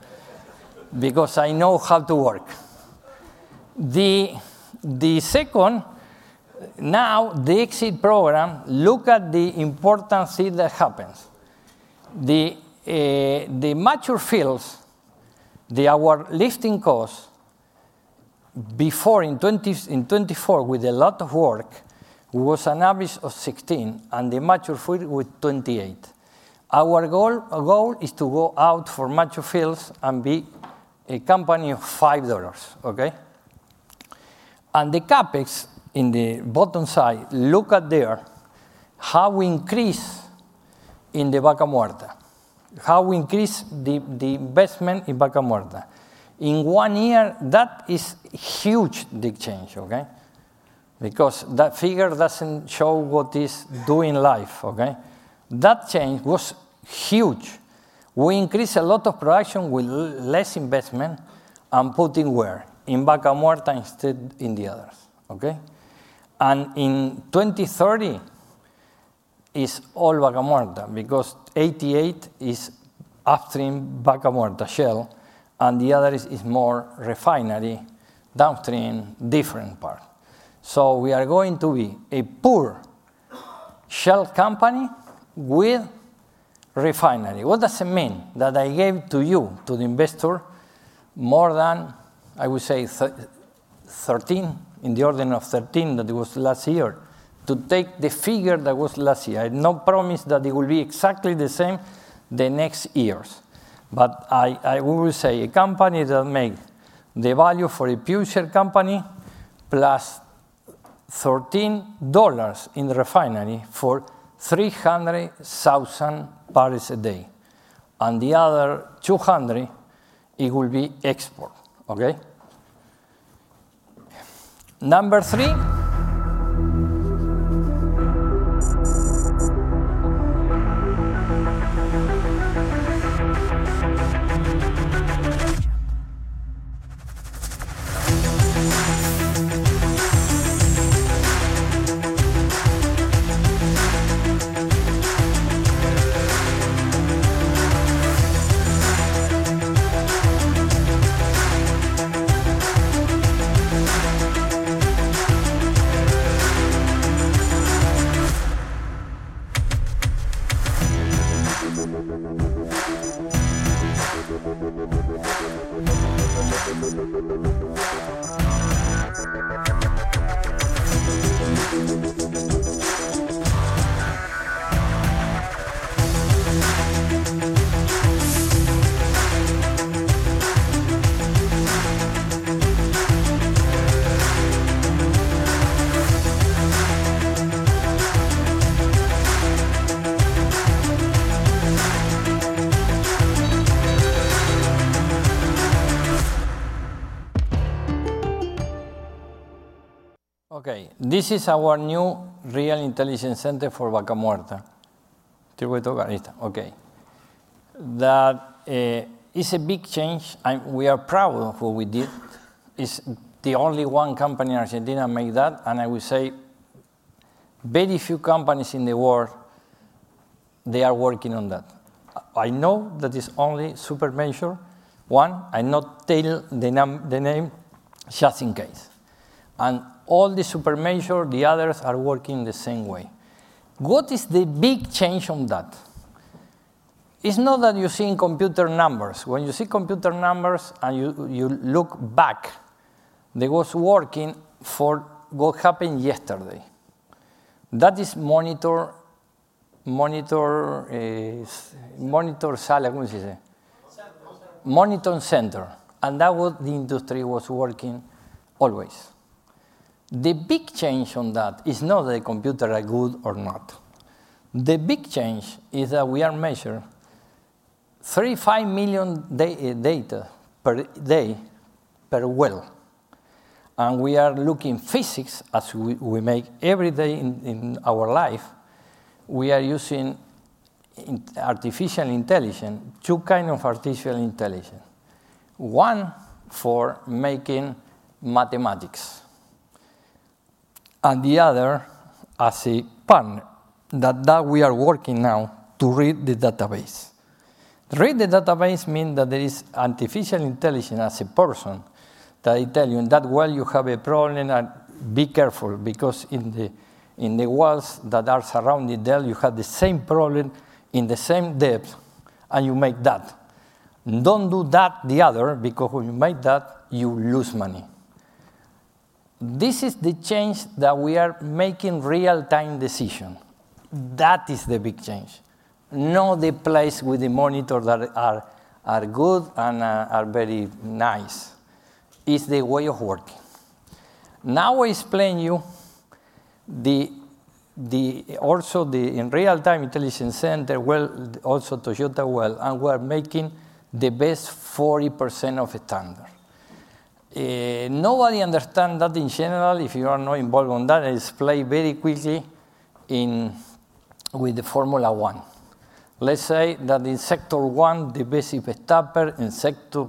because I know how to work. The second, now the exit program, look at the important thing that happens. The mature fields, our lifting costs before in 2024 with a lot of work was an average of 16 and the mature field with 28. Our goal is to go out for mature fields and be a company of $5, OK? And the CapEx in the bottom side, look at there how we increase in the Vaca Muerta, how we increase the investment in Vaca Muerta. In one year, that is huge the change, OK? Because that figure does not show what is doing life, OK? That change was huge. We increased a lot of production with less investment and put in where? In Vaca Muerta instead in the others, OK? In 2030, it's all Vaca Muerta because 88 is upstream Vaca Muerta shale. The other is more refinery downstream, different part. We are going to be a pure shale company with refinery. What does it mean that I gave to you, to the investor, more than, I would say, 13, in the order of 13 that it was last year to take the figure that was last year? I have no promise that it will be exactly the same the next years. I will say a company that makes the value for a future company plus $13 in refinery for 300,000 barrels a day. The other 200, it will be export, OK? Number three. This is our new real intelligence center for Vaca Muerta. That is a big change. We are proud of what we did. It's the only one company in Argentina that made that. I would say very few companies in the world, they are working on that. I know that it's only super major one. I not tell the name just in case. All the super major, the others are working the same way. What is the big change on that? It's not that you're seeing computer numbers. When you see computer numbers and you look back, there was working for what happened yesterday. That is Monitor Sala. Monitor Center. That was the industry was working always. The big change on that is not that the computer are good or not. The big change is that we are measuring 3-5 million data per day per well. We are looking physics as we make every day in our life. We are using artificial intelligence, two kinds of artificial intelligence. One for making mathematics. The other as a partner that we are working now to read the database. Read the database means that there is artificial intelligence as a person that I tell you in that well you have a problem and be careful because in the wells that are surrounding there, you have the same problem in the same depth. You make that. Do not do that the other because when you make that, you lose money. This is the change that we are making real-time decision. That is the big change. Not the place with the monitor that are good and are very nice. It is the way of working. Now I explain you also the real-time intelligence center, also Toyota well. We are making the best 40% of standard. Nobody understands that in general if you are not involved on that. It's played very quickly with the Formula 1. Let's say that in sector one, the best is Verstappen. In sector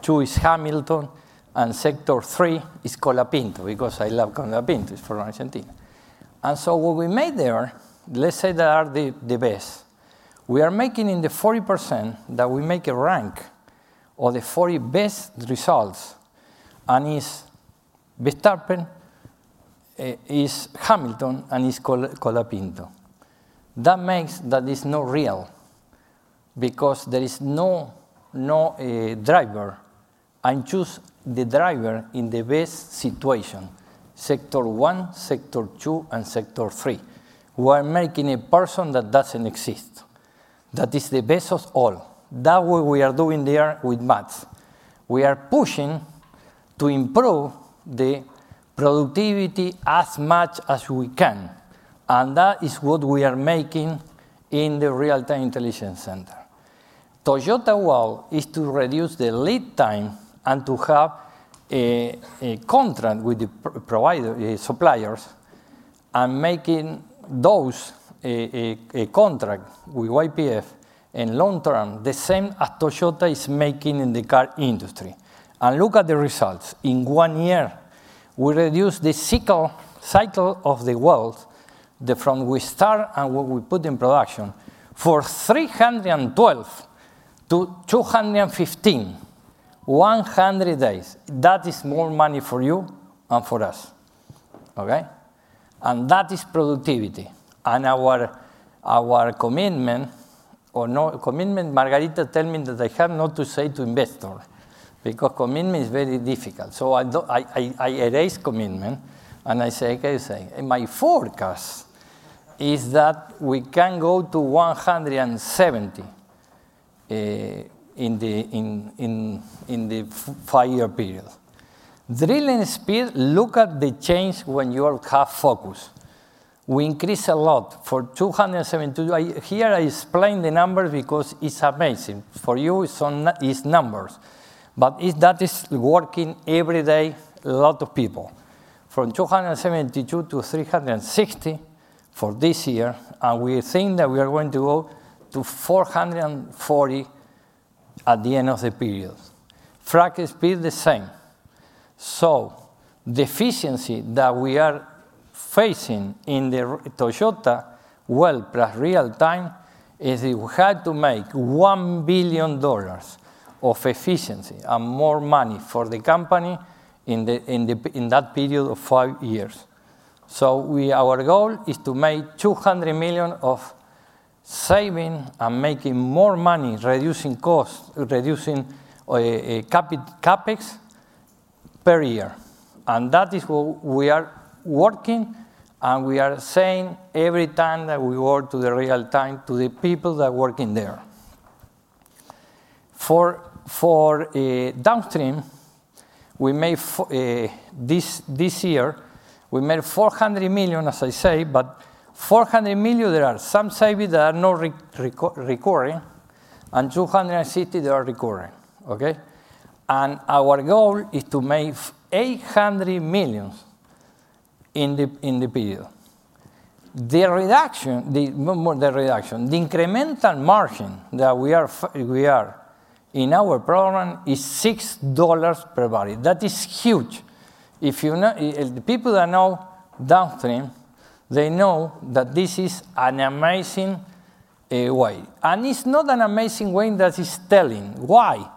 two is Hamilton. And sector three is Colapinto because I love Colapinto. It's from Argentina. What we made there, let's say there are the best. We are making in the 40% that we make a rank or the 40 best results. And Verstappen is Hamilton and is Colapinto. That makes that it's not real because there is no driver. Choose the driver in the best situation, sector one, sector two, and sector three. We are making a person that doesn't exist. That is the best of all. That's what we are doing there with maths. We are pushing to improve the productivity as much as we can. That is what we are making in the real-time intelligence center. Toyota well is to reduce the lead time and to have a contract with the suppliers and making those contracts with YPF in long term the same as Toyota is making in the car industry. Look at the results. In one year, we reduce the cycle of the wells from we start and what we put in production for 312 to 215, 100 days. That is more money for you and for us, OK? That is productivity. Our commitment or no commitment, Margarita told me that I have not to say to investors because commitment is very difficult. I erase commitment. I say, OK, my forecast is that we can go to 170 in the five-year period. Drilling speed, look at the change when you all have focus. We increase a lot for 272. Here I explain the number because it's amazing. For you, it's numbers. That is working every day, a lot of people. From 272 to 360 for this year. We think that we are going to go to 440 at the end of the period. Fractal speed the same. The efficiency that we are facing in the Toyota well plus real-time is that we had to make $1 billion of efficiency and more money for the company in that period of five years. Our goal is to make $200 million of saving and making more money, reducing cost, reducing CapEx per year. That is what we are working. We are saying every time that we work to the real-time to the people that are working there. For downstream, we made this year, we made $400 million, as I say. $400 million, there are some savings that are not recurring. $260, they are recurring, OK? Our goal is to make $800 million in the period. The reduction, the incremental margin that we are in our program is $6 per barrel. That is huge. If you know the people that know downstream, they know that this is an amazing way. It's not an amazing way that is telling. Why?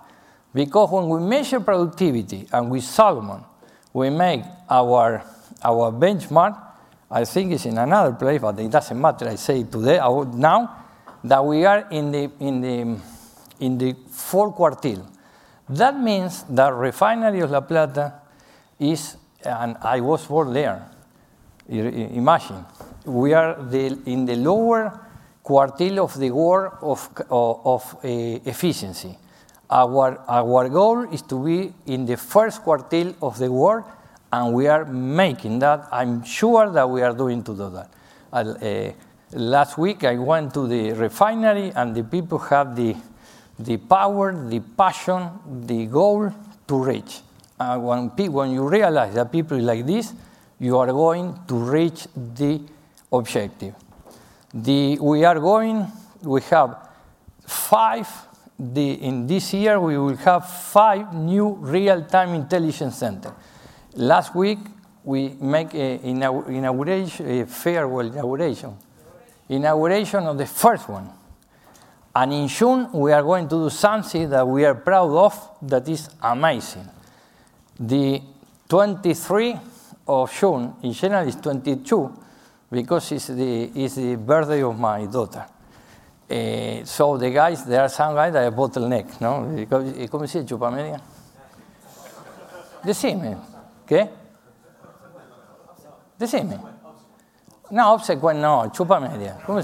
Because when we measure productivity and we Salomon, we make our benchmark. I think it's in another place, but it doesn't matter. I say it today now that we are in the fourth quartile. That means that refinery of La Plata is, and I was born there. Imagine. We are in the lower quartile of the world of efficiency. Our goal is to be in the first quartile of the world. We are making that. I'm sure that we are doing to do that. Last week, I went to the refinery. The people had the power, the passion, the goal to reach. When you realize that people are like this, you are going to reach the objective. We are going, we have five in this year, we will have five new real-time intelligence centers. Last week, we made a farewell inauguration, inauguration of the first one. In June, we are going to do something that we are proud of that is amazing. The 23 of June, in general, is 22 because it is the birthday of my daughter. The guys, there are some guys that have bottleneck. The same man. OK? The same man. No, upside one. No, Chupa Media. Come on.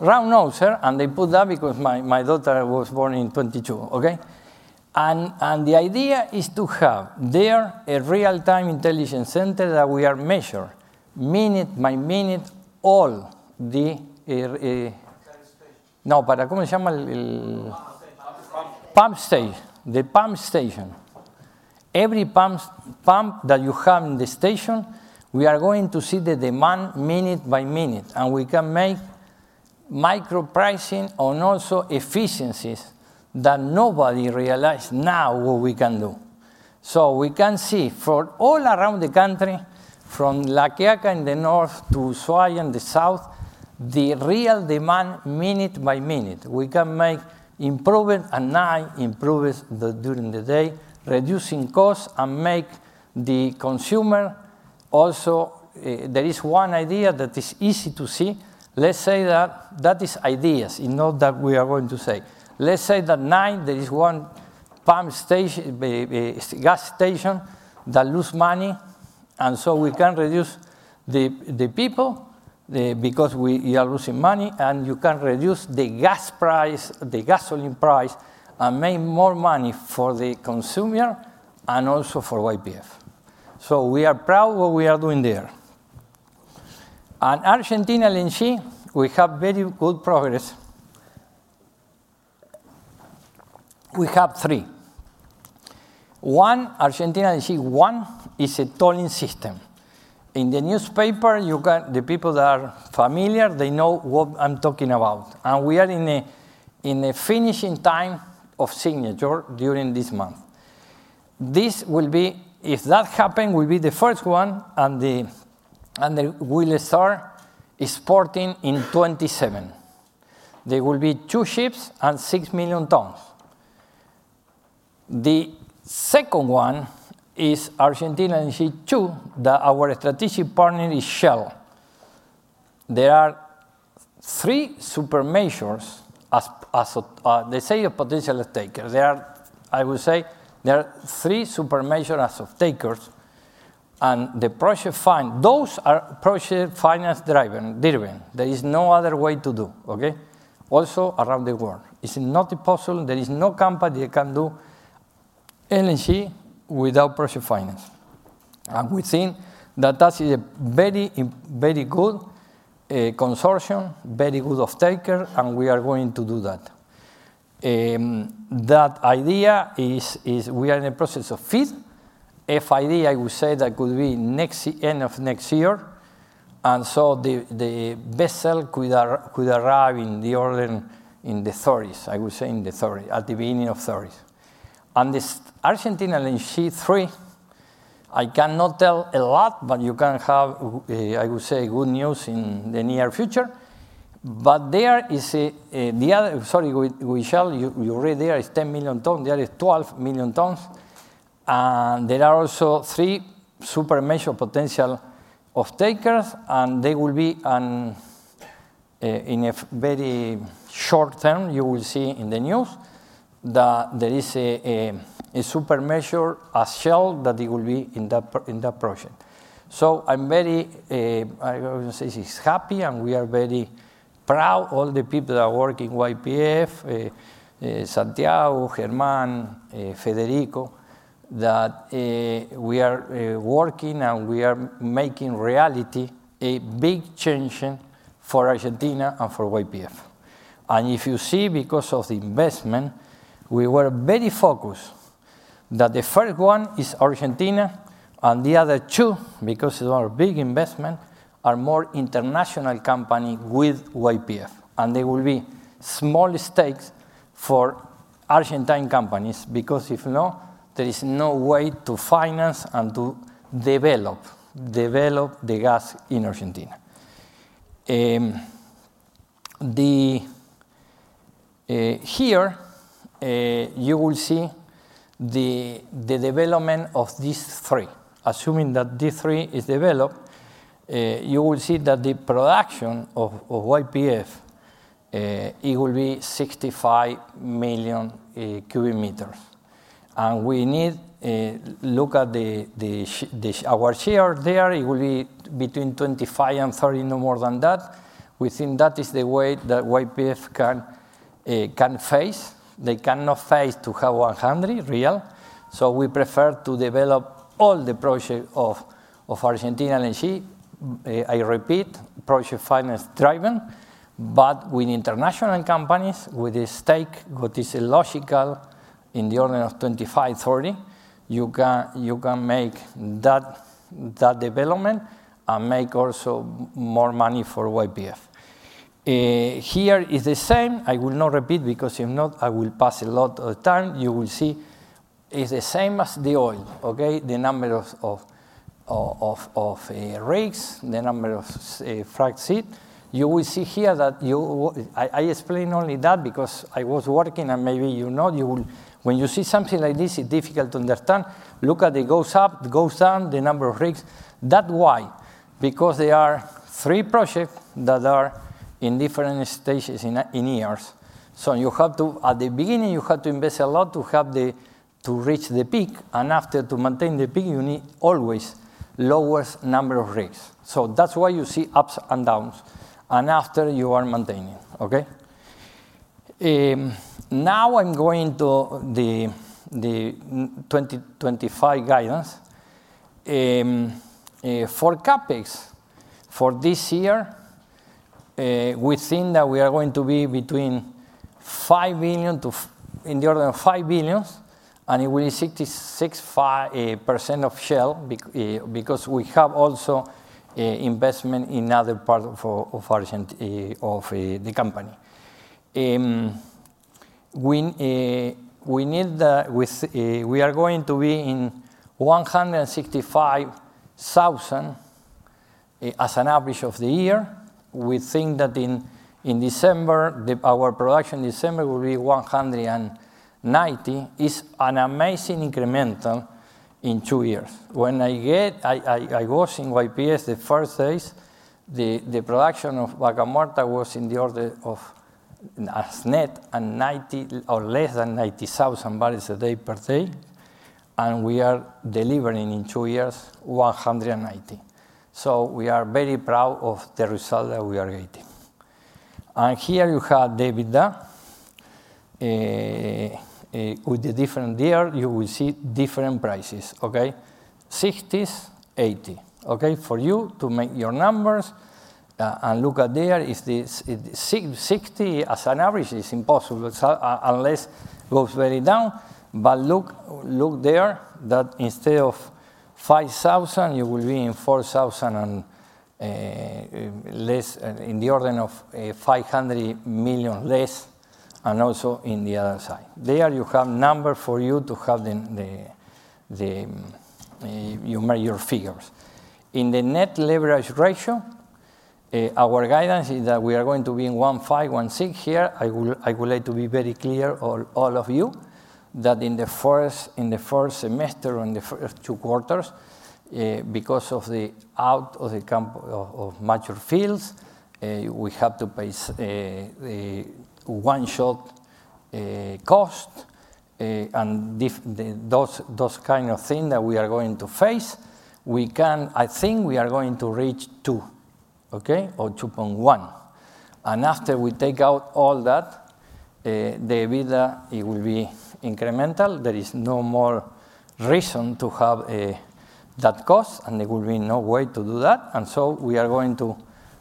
Round nose. Round nose. They put that because my daughter was born in 2022, OK? The idea is to have there a real-time intelligence center that we are measuring minute by minute all the. Pump station. No, para cómo se llama? Pump station. Pump station. The pump station. Every pump that you have in the station, we are going to see the demand minute by minute. We can make micro pricing on also efficiencies that nobody realized now what we can do. We can see for all around the country, from La Quiaca in the north to Ushuaia in the south, the real demand minute by minute. We can make improvement at night, improvements during the day, reducing costs and make the consumer also. There is one idea that is easy to see. Let's say that that is ideas. It's not that we are going to say. Let's say that at night, there is one pump station, gas station that loses money. We can reduce the people because we are losing money. You can reduce the gas price, the gasoline price, and make more money for the consumer and also for YPF. We are proud of what we are doing there. Argentina LNG, we have very good progress. We have three. One, Argentina LNG, one is a tolling system. In the newspaper, the people that are familiar, they know what I'm talking about. We are in the finishing time of signature during this month. This will be, if that happens, the first one. We will start exporting in 2027. There will be two ships and 6 million tons. The second one is Argentina LNG two, that our strategic partner is Shell. There are three super majors, as they say, of potential stakers. I would say there are three super majors as of stakers. The project finance, those are project finance driven, driven. There is no other way to do, OK? Also around the world. It's not possible. There is no company that can do LNG without project finance. And we think that that is a very, very good consortium, very good staker. We are going to do that. That idea is we are in the process of FID. I would say that could be end of next year. The vessel could arrive in the early, in the 30s, I would say in the 30s, at the beginning of 30s. This Argentina LNG 3, I cannot tell a lot, but you can have, I would say, good news in the near future. There is the other, sorry, with Shell, you read there is 10 million tons. There is 12 million tons. There are also three super major potential of stakers. They will be in a very short term. You will see in the news that there is a super major as Shell that they will be in that project. I am very, I would say, happy. We are very proud, all the people that work in YPF, Santiago, Germán, Federico, that we are working and we are making reality a big change for Argentina and for YPF. If you see, because of the investment, we were very focused that the first one is Argentina and the other two, because of our big investment, are more international companies with YPF. They will be small stakes for Argentine companies because if not, there is no way to finance and to develop, develop the gas in Argentina. Here, you will see the development of these three. Assuming that these three are developed, you will see that the production of YPF, it will be 65 million cubic meters. And we need to look at our share there. It will be between 25 and 30, no more than that. We think that is the way that YPF can face. They cannot face to have 100 real. So we prefer to develop all the projects of Argentina LNG. I repeat, project finance driven. But with international companies, with the stake that is logical in the order of 25-30, you can make that development and make also more money for YPF. Here is the same. I will not repeat because if not, I will pass a lot of time. You will see it's the same as the oil, OK? The number of rigs, the number of frac seats. You will see here that I explain only that because I was working. And maybe you know, when you see something like this, it's difficult to understand. Look at it goes up, goes down, the number of rigs. That why? Because there are three projects that are in different stages in years. You have to, at the beginning, you have to invest a lot to reach the peak. After, to maintain the peak, you need always lower number of rigs. That's why you see ups and downs. After, you are maintaining, OK? Now I'm going to the 2025 guidance. For CapEx for this year, we think that we are going to be between $5 billion and in the order of $5 billion. It will be 66% of Shell because we have also investment in other parts of the company. We need that we are going to be in 165,000 as an average of the year. We think that in December, our production in December will be 190. It's an amazing incremental in two years. When I get, I was in YPF the first days, the production of Vaca Muerta was in the order of as net and 90 or less than 90,000 barrels a day per day. We are delivering in two years 190. We are very proud of the result that we are getting. Here you have EBITDA. With the different year, you will see different prices, OK? 60s, 80, OK? For you to make your numbers and look at there, it's 60 as an average is impossible unless it goes very down. Look there that instead of 5,000, you will be in 4,000 and less, in the order of 500 million less. Also, on the other side, there you have numbers for you to have your figures. In the net leverage ratio, our guidance is that we are going to be in 1.5-1.6 here. I would like to be very clear to all of you that in the first semester or in the first two quarters, because of the out of the camp of mature fields, we have to pay one-shot cost. Those kinds of things that we are going to face, I think we are going to reach 2, OK? Or 2.1. After we take out all that, EBITDA, it will be incremental. There is no more reason to have that cost, and there will be no way to do that. We are going to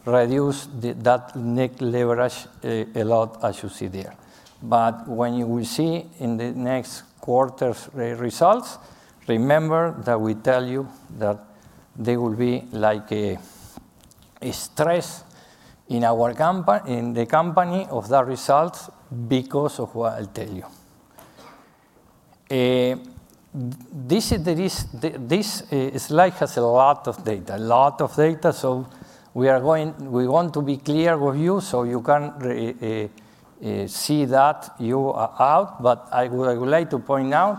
reduce that net leverage a lot, as you see there. When you will see in the next quarter's results, remember that we tell you that there will be like a stress in the company of that result because of what I'll tell you. This slide has a lot of data, a lot of data. We want to be clear with you so you can see that you are out. I would like to point out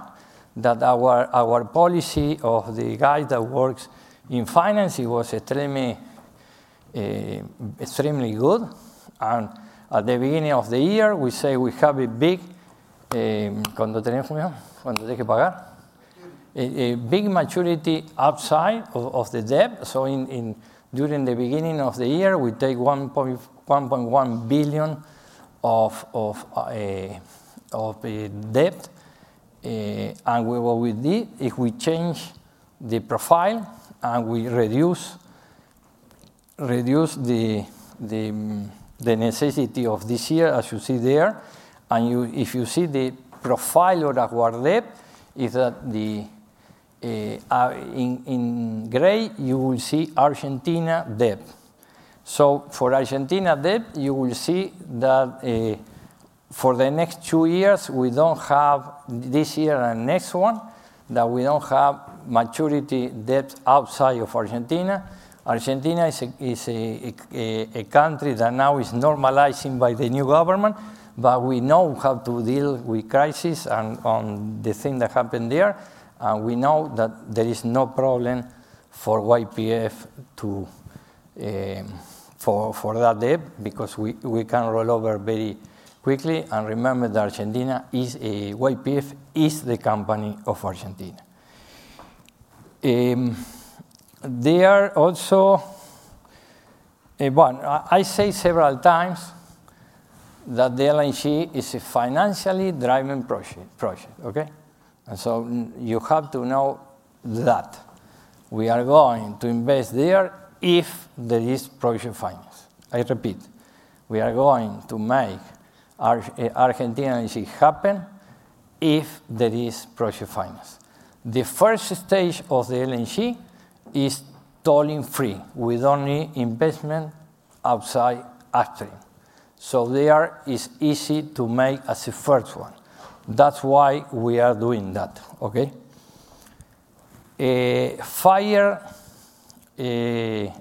that our policy of the guy that works in finance, he was extremely good. At the beginning of the year, we say we have a big, a big maturity upside of the debt. During the beginning of the year, we take $1.1 billion of debt. What we did is we changed the profile. We reduced the necessity of this year, as you see there. If you see the profile of our debt, in gray you will see Argentina debt. For Argentina debt, you will see that for the next two years, this year and next one, we do not have maturity debt outside of Argentina. Argentina is a country that now is normalizing by the new government. We know how to deal with crisis and the things that happen there. We know that there is no problem for YPF for that debt because we can roll over very quickly. Remember that Argentina is YPF, is the company of Argentina. I say several times that the LNG is a financially driving project, OK? You have to know that we are going to invest there if there is project finance. I repeat, we are going to make Argentina LNG happen if there is project finance. The first stage of the LNG is tolling free. We do not need investment outside Austria. There is easy to make as a first one. That is why we are doing that, OK? Fire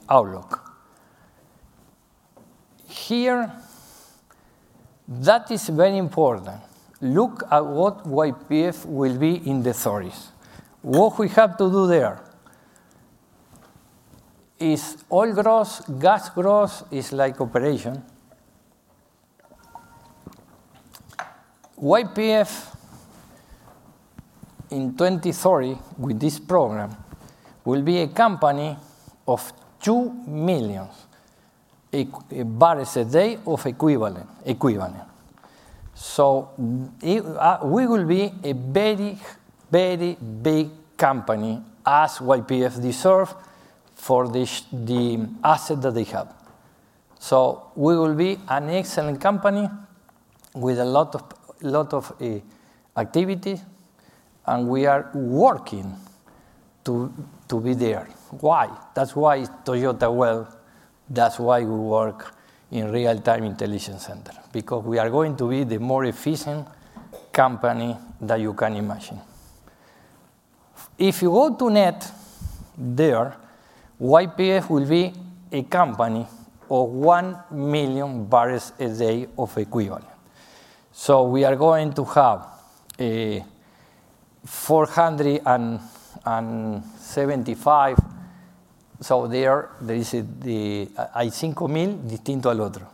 outlook. Here, that is very important. Look at what YPF will be in the 2030s. What we have to do there is oil gross, gas gross is like operation. YPF in 2030 with this program will be a company of 2 million barrels a day of equivalent. We will be a very, very big company as YPF deserves for the asset that they have. We will be an excellent company with a lot of activity. We are working to be there. Why? That's why Toyota well, that's why we work in real-time intelligence center, because we are going to be the more efficient company that you can imagine. If you go to net there, YPF will be a company of 1 million barrels a day of equivalent. We are going to have 475. There is the I5000 distinct al otro.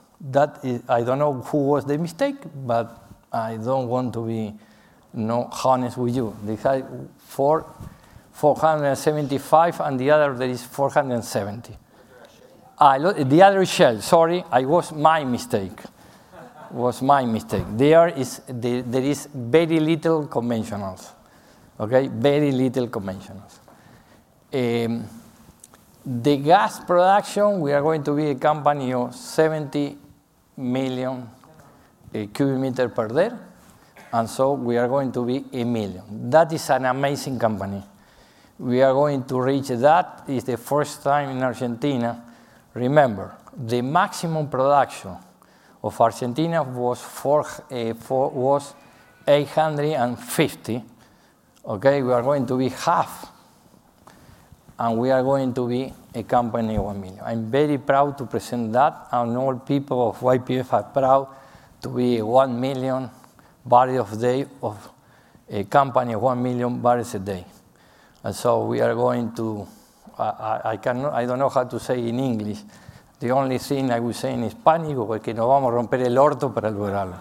I don't know who was the mistake, but I don't want to be honest with you. They have 475 and the other there is 470. The other is Shell. Sorry, it was my mistake. It was my mistake. There is very little conventionals, OK? Very little conventionals. The gas production, we are going to be a company of 70 million cubic meters per day. We are going to be a million. That is an amazing company. We are going to reach that. It's the first time in Argentina. Remember, the maximum production of Argentina was 850, OK? We are going to be half. We are going to be a company of 1 million. I'm very proud to present that. All people of YPF are proud to be 1 million barrels of day, a company of 1 million barrels a day. We are going to, I don't know how to say in English. The only thing I will say in Spanish, porque no vamos a romper el orto para lograrlo.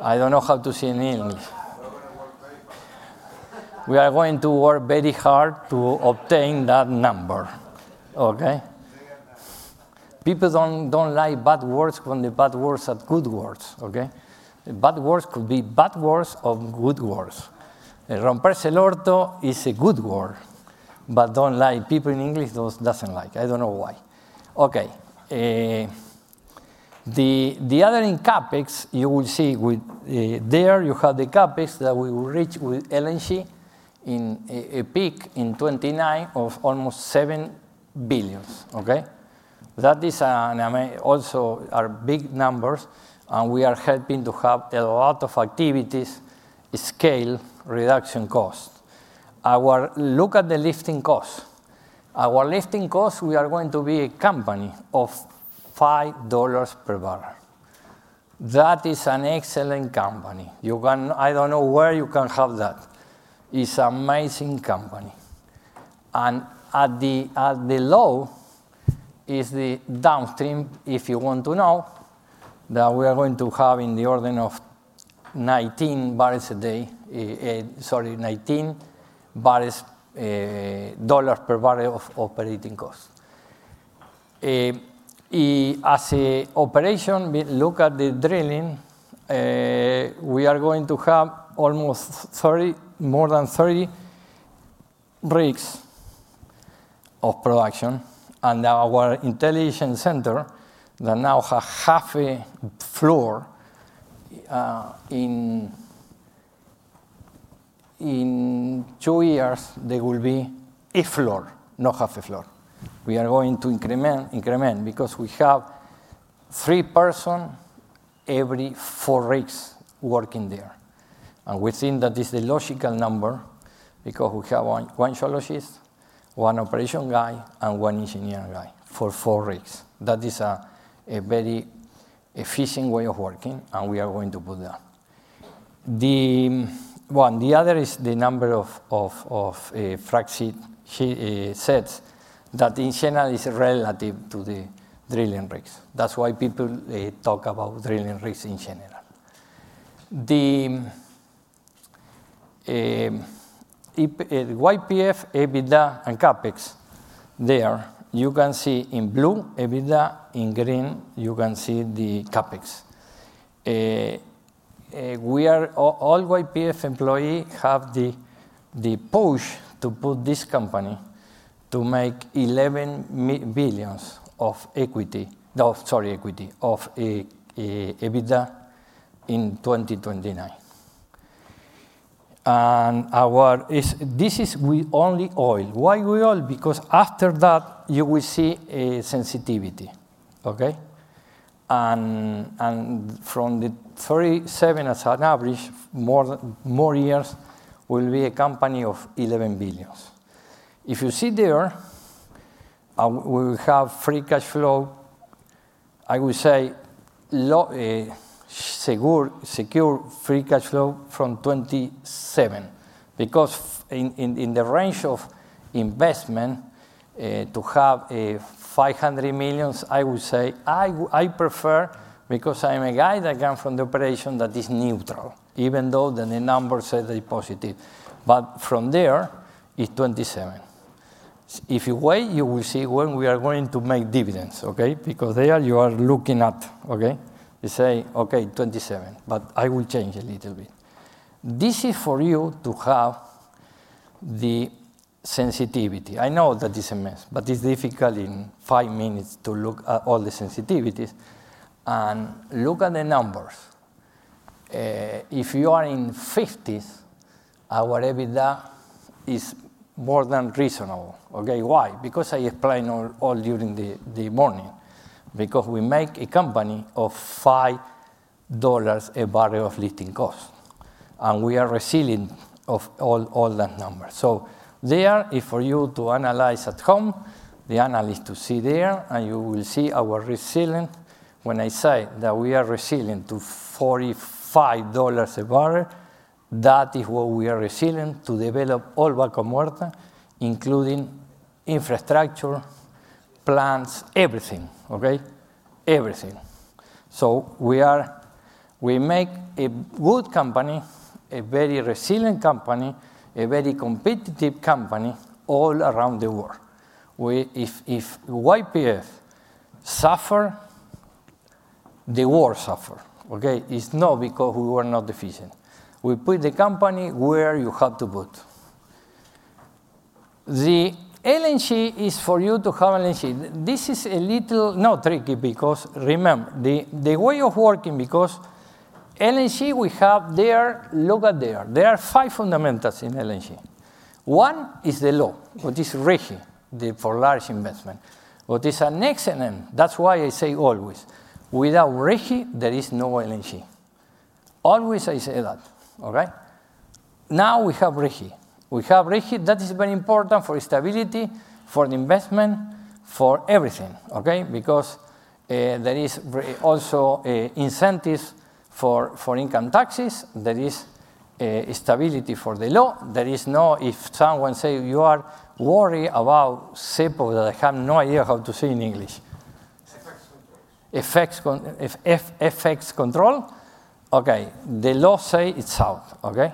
I don't know how to say in English. We are going to work very hard to obtain that number, OK? People don't like bad words when the bad words are good words, OK? Bad words could be bad words or good words. Romper el orto is a good word. People in English don't like those. I don't know why. OK. The other in CapEx, you will see there you have the CapEx that we will reach with LNG in a peak in 2029 of almost $7 billion, OK? That is also our big numbers. We are helping to have a lot of activities, scale, reduction cost. Look at the lifting cost. Our lifting cost, we are going to be a company of $5 per barrel. That is an excellent company. I do not know where you can have that. It is an amazing company. At the low is the downstream, if you want to know, that we are going to have in the order of $19 per barrel of operating cost. As an operation, look at the drilling. We are going to have almost, sorry, more than 30 rigs of production. Our intelligence center that now has half a floor, in two years, there will be a floor, not half a floor. We are going to increment because we have three persons every four rigs working there. We think that is the logical number because we have one geologist, one operation guy, and one engineering guy for four rigs. That is a very efficient way of working. We are going to put that. The other is the number of frac seat sets that in general is relative to the drilling rigs. That is why people talk about drilling rigs in general. The YPF EBITDA and CapEx there, you can see in blue. EBITDA, in green, you can see the CapEx. All YPF employees have the push to put this company to make $11 billion of equity, sorry, equity of EBITDA in 2029. This is with only oil. Why with oil? Because after that, you will see sensitivity, OK? And from the 37 as an average, more years will be a company of $11 billion. If you see there, we will have free cash flow, I would say secure free cash flow from 2027. Because in the range of investment to have $500 million, I would say I prefer because I'm a guy that comes from the operation that is neutral, even though the number says they're positive. From there, it's 2027. If you wait, you will see when we are going to make dividends, OK? Because there you are looking at, OK? You say, OK, 2027. I will change a little bit. This is for you to have the sensitivity. I know that is a mess, but it's difficult in five minutes to look at all the sensitivities. Look at the numbers. If you are in 50s, our EBITDA is more than reasonable, OK? Why? Because I explained all during the morning. Because we make a company of $5 a barrel of lifting cost. And we are resilient of all that number. There is for you to analyze at home, the analyst to see there. You will see our resilience. When I say that we are resilient to $45 a barrel, that is what we are resilient to develop all Vaca Muerta, including infrastructure, plants, everything, OK? Everything. We make a good company, a very resilient company, a very competitive company all around the world. If YPF suffer, the world suffers, OK? It is not because we were not efficient. We put the company where you have to put. The LNG is for you to have LNG. This is a little not tricky because remember the way of working because LNG we have there, look at there. There are five fundamentals in LNG. One is the law, which is RIGI, for large investment. What is an excellent, that's why I say always, without RIGI, there is no LNG. Always I say that, OK? Now we have RIGI. We have RIGI. That is very important for stability, for the investment, for everything, OK? Because there is also incentives for income taxes. There is stability for the law. There is no if someone says you are worried about CEPO that I have no idea how to say in English. Effects control. OK. The law says it's out, OK?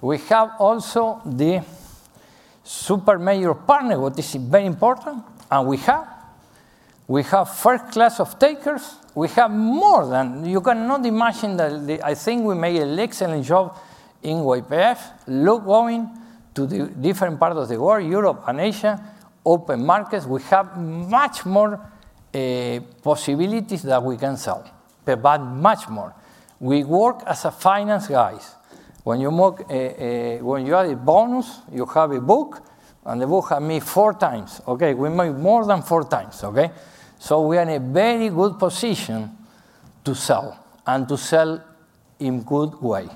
We have also the super major partner, which is very important. And we have, we have first class of takers. We have more than you cannot imagine that I think we made an excellent job in YPF. Look, going to the different parts of the world, Europe and Asia, open markets. We have much more possibilities that we can sell, but much more. We work as finance guys. When you add a bonus, you have a book. And the book had me four times, OK? We made more than four times, OK? We are in a very good position to sell and to sell in a good way.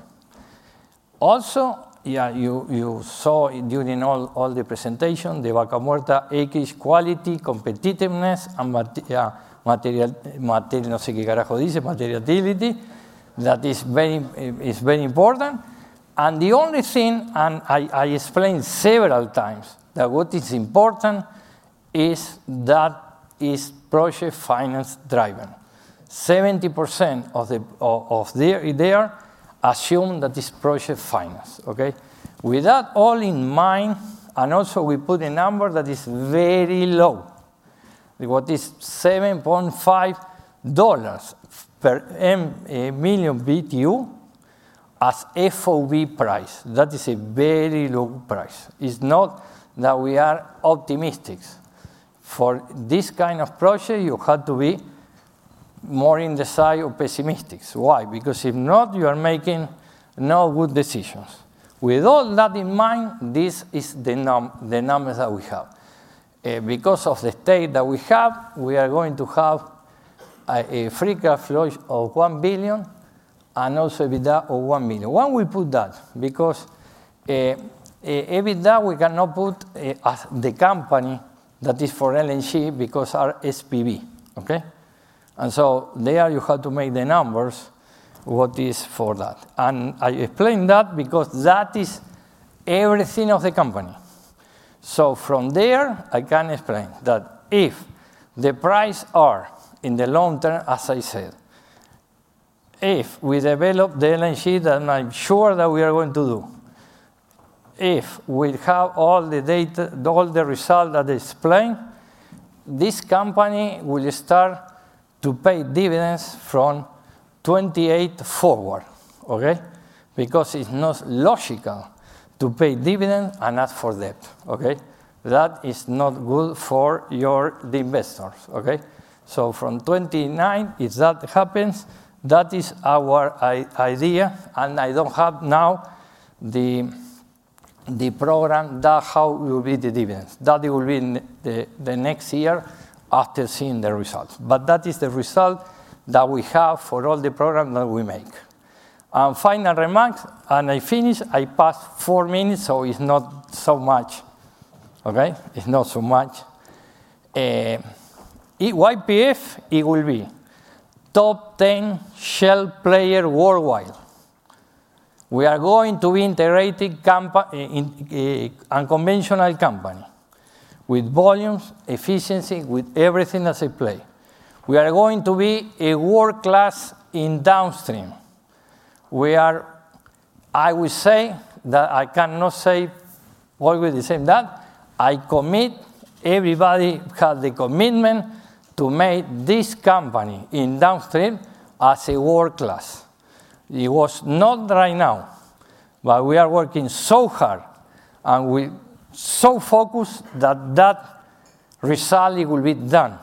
Also, yeah, you saw during all the presentation, the Vaca Muerta equity quality, competitiveness, and material materiality that is very important. The only thing, I explained several times that what is important is that is project finance driver. 70% of there assume that is project finance, OK? With that all in mind, and also we put a number that is very low, what is $7.5 per million BTU as FOB price. That is a very low price. It's not that we are optimistic. For this kind of project, you have to be more in the side of pessimistics. Why? Because if not, you are making no good decisions. With all that in mind, this is the number that we have. Because of the state that we have, we are going to have a free cash flow of $1 billion and also EBITDA of $1 billion. Why we put that? Because EBITDA we cannot put as the company that is for LNG because our SPV, OK? And so there you have to make the numbers what is for that. And I explain that because that is everything of the company. From there, I can explain that if the price are in the long term, as I said, if we develop the LNG that I'm sure that we are going to do, if we have all the data, all the results that I explained, this company will start to pay dividends from 2028 forward, OK? Because it's not logical to pay dividends and ask for debt, OK? That is not good for your investors, OK? From 2029, if that happens, that is our idea. I don't have now the program that how will be the dividends. That will be the next year after seeing the results. That is the result that we have for all the programs that we make. Final remarks, I finish, I passed four minutes, so it's not so much, OK? It's not so much. YPF, it will be top 10 Shell player worldwide. We are going to be integrating unconventional company with volumes, efficiency, with everything as a play. We are going to be a world class in downstream. I would say that I cannot say always the same that I commit, everybody has the commitment to make this company in downstream as a world class. It was not right now, but we are working so hard and we're so focused that that result will be done.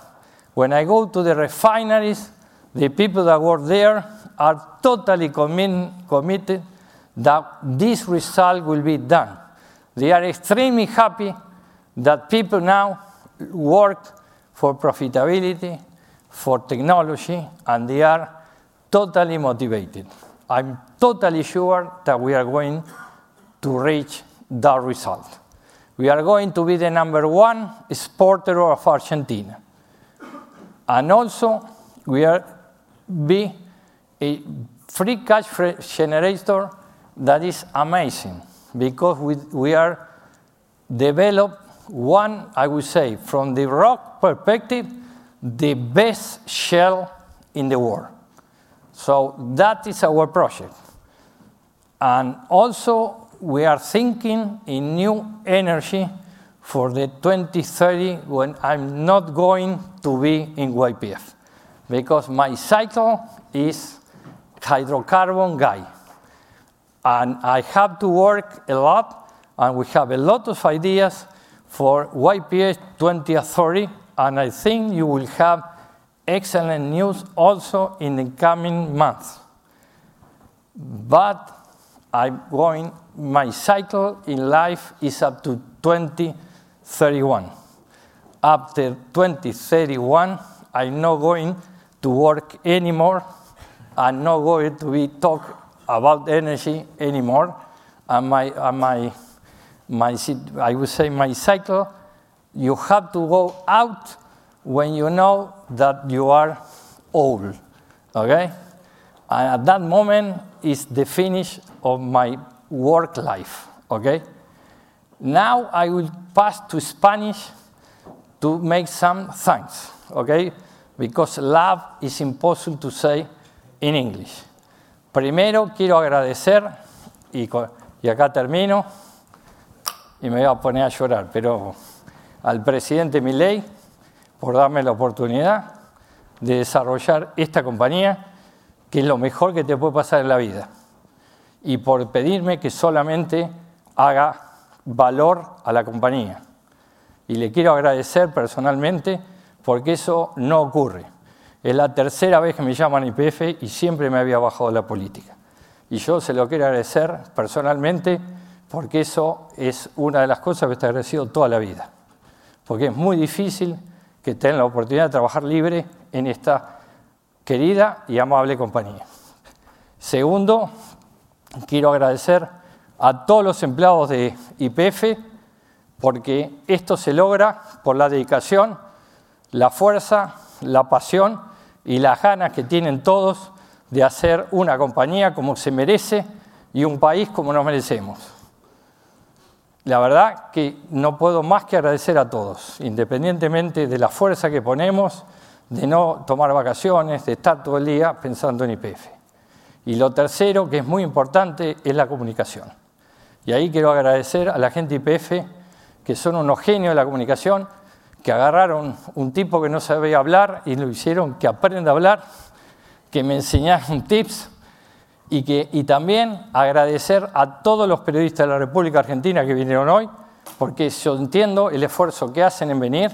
When I go to the refineries, the people that work there are totally committed that this result will be done. They are extremely happy that people now work for profitability, for technology, and they are totally motivated. I'm totally sure that we are going to reach that result. We are going to be the number one exporter of Argentina. Also, we are a free cash generator that is amazing because we are developed, one, I would say, from the rock perspective, the best shale in the world. That is our project. Also, we are thinking in new energy for 2030 when I'm not going to be in YPF because my cycle is hydrocarbon guy. I have to work a lot, and we have a lot of ideas for YPF 2030. I think you will have excellent news also in the coming months. My cycle in life is up to 2031. After 2031, I'm not going to work anymore. I'm not going to talk about energy anymore. I would say my cycle, you have to go out when you know that you are old, OK? At that moment is the finish of my work life, OK? Now I will pass to Spanish to make some thanks, OK? Because love is impossible to say in English. Primero quiero agradecer, y acá termino, y me voy a poner a llorar, pero al Presidente Milei por darme la oportunidad de desarrollar esta compañía, que es lo mejor que te puede pasar en la vida. Y por pedirme que solamente haga valor a la compañía. Y le quiero agradecer personalmente porque eso no ocurre. Es la tercera vez que me llaman YPF y siempre me había bajado la política. Y yo se lo quiero agradecer personalmente porque eso es una de las cosas que te agradezco toda la vida. Porque es muy difícil que tenga la oportunidad de trabajar libre en esta querida y amable compañía. Segundo, quiero agradecer a todos los empleados de YPF porque esto se logra por la dedicación, la fuerza, la pasión y las ganas que tienen todos de hacer una compañía como se merece y un país como nos merecemos. La verdad que no puedo más que agradecer a todos, independientemente de la fuerza que ponemos, de no tomar vacaciones, de estar todo el día pensando en YPF. Lo tercero que es muy importante es la comunicación. Ahí quiero agradecer a la gente de YPF que son unos genios de la comunicación, que agarraron un tipo que no sabía hablar y lo hicieron que aprenda a hablar, que me enseñaron tips. También agradecer a todos los periodistas de la República Argentina que vinieron hoy, porque yo entiendo el esfuerzo que hacen en venir.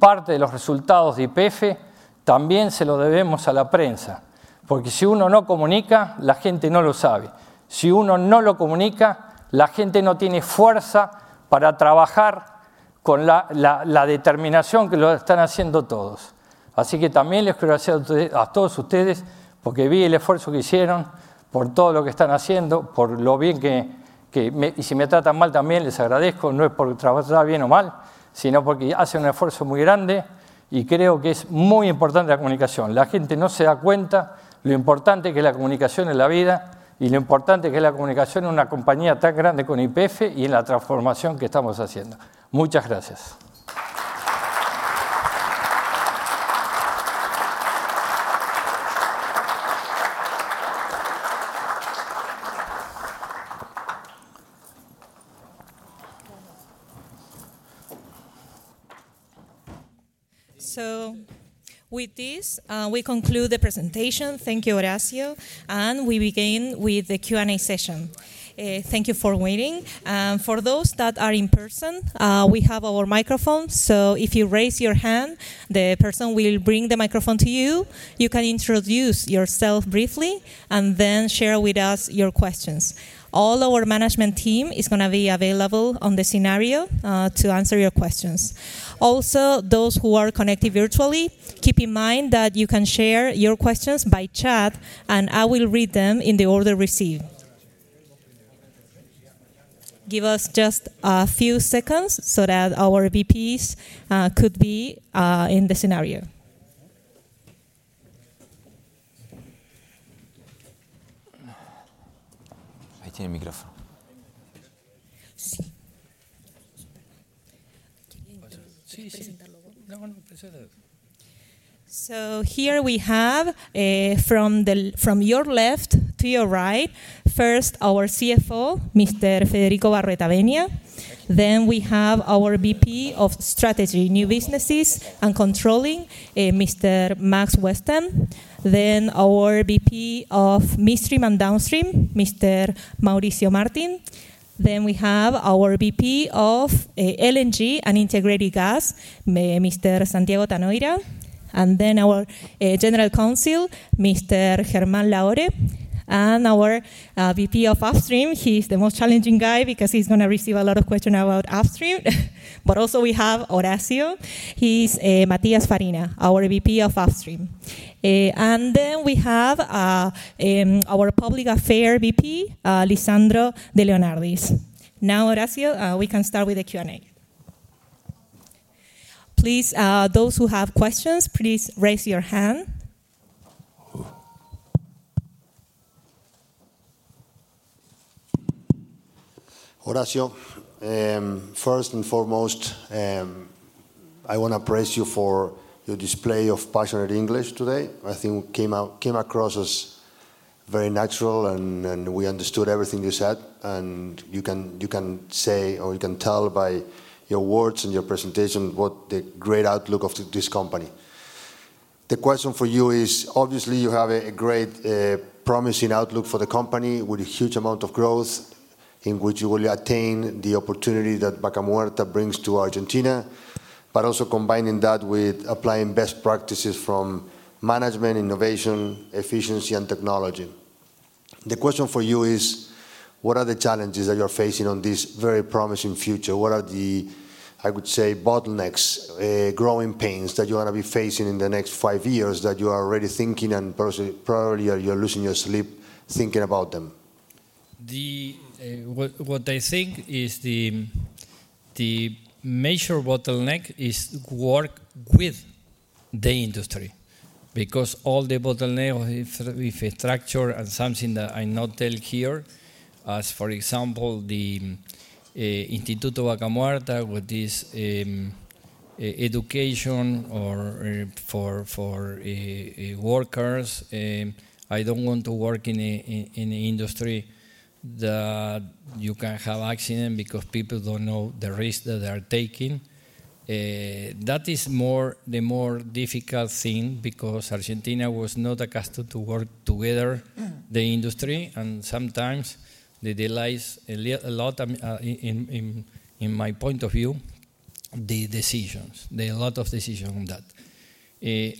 Parte de los resultados de YPF también se lo debemos a la prensa. Porque si uno no comunica, la gente no lo sabe. Si uno no lo comunica, la gente no tiene fuerza para trabajar con la determinación que lo están haciendo todos. Así que también les quiero agradecer a todos ustedes porque vi el esfuerzo que hicieron por todo lo que están haciendo, por lo bien que, y si me tratan mal también les agradezco, no es por trabajar bien o mal, sino porque hacen un esfuerzo muy grande y creo que es muy importante la comunicación. La gente no se da cuenta lo importante que es la comunicación en la vida y lo importante que es la comunicación en una compañía tan grande con YPF y en la transformación que estamos haciendo. Muchas gracias. With this, we conclude the presentation. Thank you, Horacio. We begin with the Q&A session. Thank you for waiting. For those that are in person, we have our microphones. If you raise your hand, the person will bring the microphone to you. You can introduce yourself briefly and then share with us your questions. All our management team is going to be available on the scenario to answer your questions. Also, those who are connected virtually, keep in mind that you can share your questions by chat, and I will read them in the order received. Give us just a few seconds so that our VPs could be in the scenario. Ahí tiene el micrófono. Sí. Sí, sí. No, no, preséntate. Here we have, from your left to your right, first our CFO, Mr. Federico Barroetaveña. Then we have our VP of Strategy, New Businesses and Controlling, Mr. Max Weston. Then our VP of Midstream and Downstream, Mr. Mauricio Martín. We have our VP of LNG and Integrated Gas, Mr. Santiago Tanoira. Our General Counsel, Mr. Germán Laure. Our VP of Upstream, he's the most challenging guy because he's going to receive a lot of questions about Upstream. We also have Horacio. He's Matías Farina, our VP of Upstream. Our Public Affairs VP, Lisandro de Leonardi. Now, Horacio, we can start with the Q&A. Please, those who have questions, please raise your hand. Horacio, first and foremost, I want to appraise you for your display of passionate English today. I think it came across as very natural, and we understood everything you said. You can say, or you can tell by your words and your presentation what the great outlook of this company is. The question for you is, obviously, you have a great promising outlook for the company with a huge amount of growth in which you will attain the opportunity that Vaca Muerta brings to Argentina, but also combining that with applying best practices from management, innovation, efficiency, and technology. The question for you is, what are the challenges that you're facing on this very promising future? What are the, I would say, bottlenecks, growing pains that you want to be facing in the next five years that you are already thinking, and probably you're losing your sleep thinking about them? What I think is the major bottleneck is work with the industry because all the bottlenecks, if I structure something that I not tell here, as for example, the Instituto Vaca Muerta with this education for workers, I don't want to work in an industry that you can have accidents because people don't know the risk that they are taking. That is the more difficult thing because Argentina was not accustomed to work together, the industry, and sometimes that delays a lot, in my point of view, the decisions, a lot of decisions on that.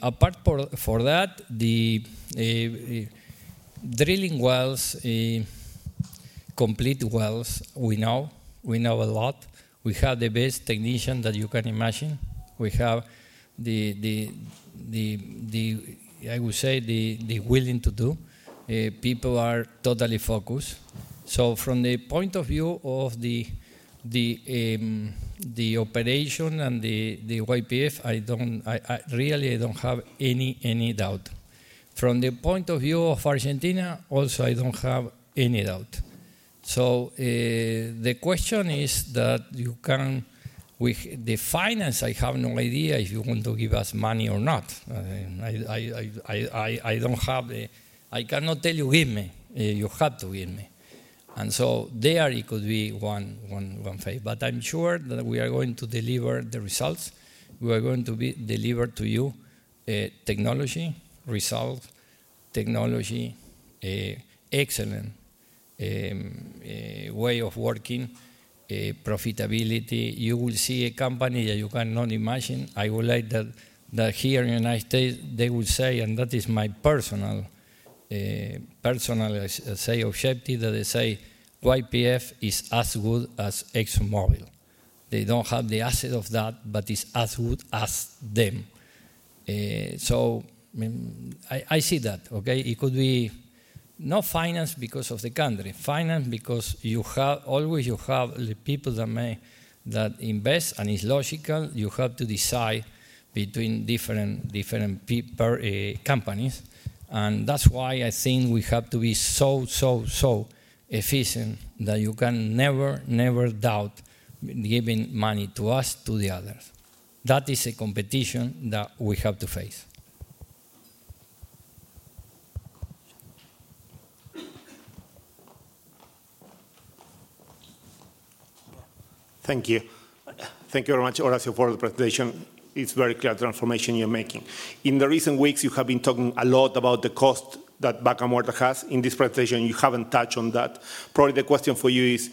Apart from that, the drilling wells, complete wells, we know, we know a lot. We have the best technicians that you can imagine. We have the, I would say, the willing to do. People are totally focused. From the point of view of the operation and the YPF, I really don't have any doubt. From the point of view of Argentina also, I don't have any doubt. The question is that you can, with the finance, I have no idea if you want to give us money or not. I don't have the, I cannot tell you, give me. You have to give me. There it could be one phase. I am sure that we are going to deliver the results. We are going to deliver to you technology, results, technology, excellent way of working, profitability. You will see a company that you cannot imagine. I would like that here in the United States, they will say, and that is my personal say of Shepti, that they say YPF is as good as ExxonMobil. They do not have the asset of that, but it is as good as them. I see that, okay? It could be not finance because of the country, finance because you have always you have the people that invest, and it is logical. You have to decide between different companies. That is why I think we have to be so, so, so efficient that you can never, never doubt giving money to us, to the others. That is a competition that we have to face. Thank you. Thank you very much, Horacio, for the presentation. It is a very clear transformation you are making. In the recent weeks, you have been talking a lot about the cost that Vaca Muerta has. In this presentation, you have not touched on that. Probably the question for you is,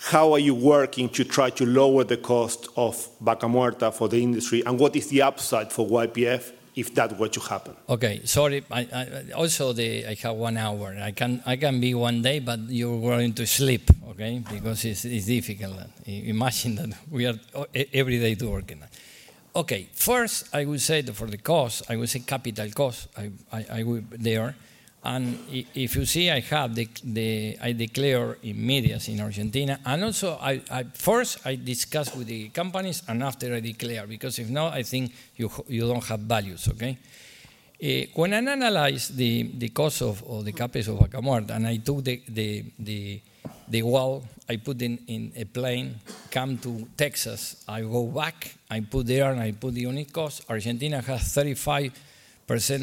how are you working to try to lower the cost of Vaca Muerta for the industry? What is the upside for YPF if that were to happen? Okay, sorry. Also, I have one hour. I can be one day, but you're going to sleep, okay? Because it's difficult. Imagine that we are every day working. Okay, first, I would say for the cost, I would say capital cost, I will there. If you see, I have the, I declare in medias in Argentina. Also, first, I discuss with the companies, and after I declare, because if not, I think you don't have values, okay? When I analyze the cost of the capital of Vaca Muerta, and I took the wall, I put in a plane, come to Texas, I go back, I put there, and I put the unit cost. Argentina has 35%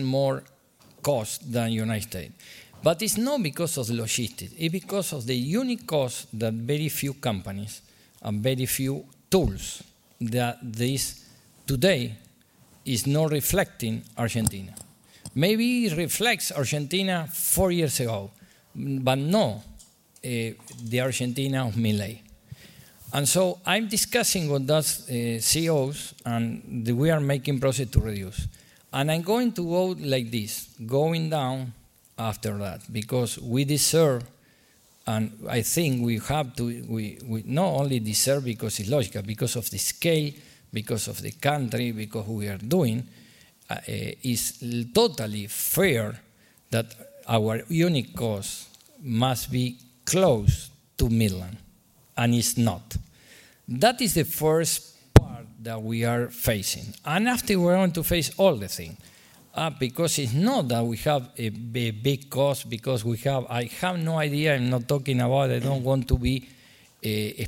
more cost than the United States. It's not because of the logistics. It's because of the unit cost that very few companies and very few tools that this today is not reflecting Argentina. Maybe it reflects Argentina four years ago, but not the Argentina of Milei. I'm discussing with those CEOs, and we are making progress to reduce. I'm going to go like this, going down after that, because we deserve, and I think we have to, we not only deserve because it's logical, because of the scale, because of the country, because of what we are doing, it's totally fair that our unit cost must be close to Milei, and it's not. That is the first part that we are facing. After, we're going to face all the things. It's not that we have a big cost because we have, I have no idea, I'm not talking about, I don't want to be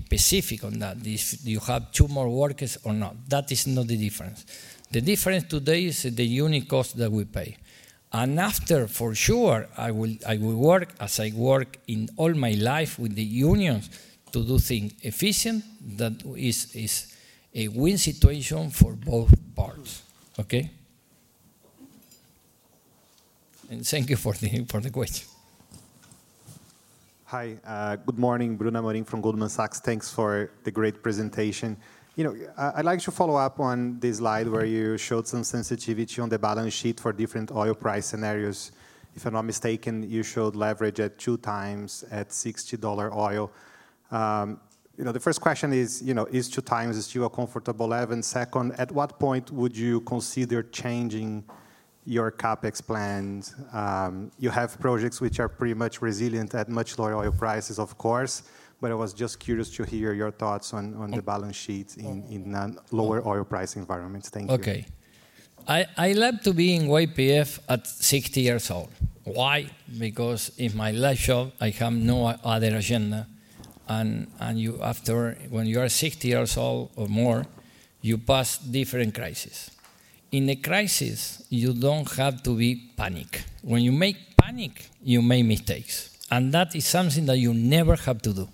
specific on that. You have two more workers or not. That is not the difference. The difference today is the unit cost that we pay. After, for sure, I will work as I work in all my life with the unions to do things efficient. That is a win situation for both parts, okay? Thank you for the question. Hi, good morning, Bruna Marin from Goldman Sachs. Thanks for the great presentation. You know, I'd like to follow up on this slide where you showed some sensitivity on the balance sheet for different oil price scenarios. If I'm not mistaken, you showed leverage at two times at $60 oil. You know, the first question is, you know, is two times still a comfortable level? Second, at what point would you consider changing your CapEx plan? You have projects which are pretty much resilient at much lower oil prices, of course, but I was just curious to hear your thoughts on the balance sheet in a lower oil price environment. Thank you. Okay. I left to be in YPF at 60 years old. Why? Because in my last job, I have no other agenda. You, after, when you are 60 years old or more, you pass different crises. In the crisis, you don't have to be panic. When you make panic, you make mistakes. That is something that you never have to do.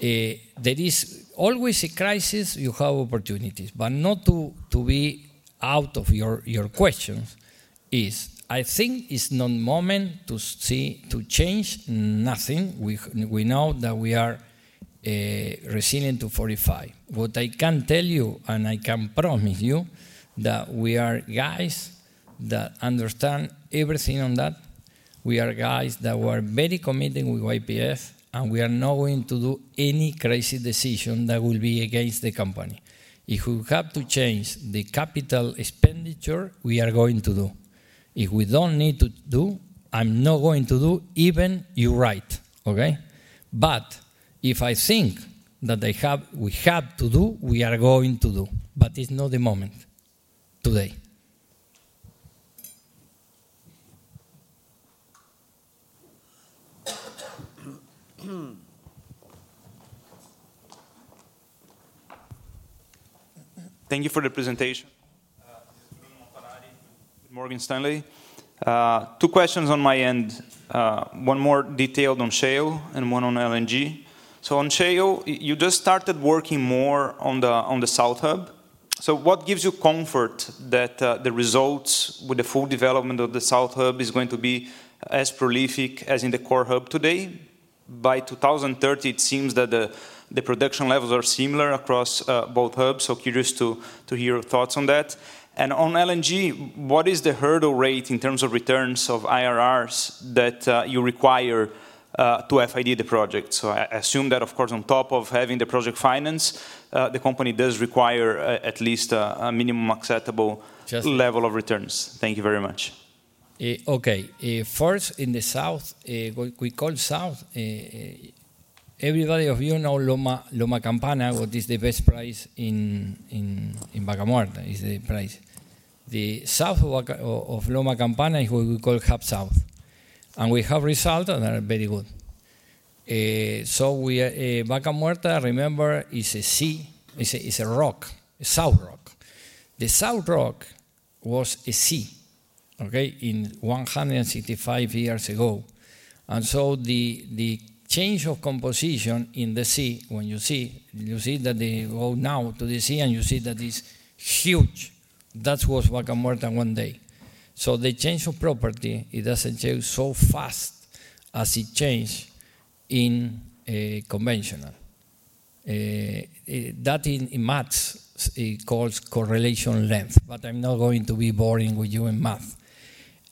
There is always a crisis; you have opportunities. Not to be out of your questions is, I think it's not a moment to see to change nothing. We know that we are resilient to $45. What I can tell you, and I can promise you, that we are guys that understand everything on that. We are guys that were very committed with YPF, and we are not going to do any crazy decision that will be against the company. If we have to change the capital expenditure, we are going to do. If we do not need to do, I am not going to do, even you are right, okay? If I think that we have to do, we are going to do. It is not the moment today. Thank you for the presentation. This is Bruno Mocarate with Morgan Stanley. Two questions on my end. One more detailed on shale and one on LNG. On shale, you just started working more on the South Hub. What gives you comfort that the results with the full development of the South Hub are going to be as prolific as in the Core Hub today? By 2030, it seems that the production levels are similar across both hubs, so curious to hear your thoughts on that. On LNG, what is the hurdle rate in terms of returns or IRRs that you require to FID the project? I assume that, of course, on top of having the project finance, the company does require at least a minimum acceptable level of returns. Thank you very much. First, in the South, we call South, everybody of you know Loma Campana, what is the best price in Vaca Muerta is the price. The South of Loma Campana is what we call Hub South. We have results that are very good. Vaca Muerta, remember, is a sea, is a rock, a salt rock. The salt rock was a sea, okay, 165 years ago. The change of composition in the sea, when you see, you see that they go now to the sea and you see that it's huge. That was Vaca Muerta one day. The change of property, it doesn't change so fast as it changed in conventional. That in math, it calls correlation length, but I'm not going to be boring with you in math.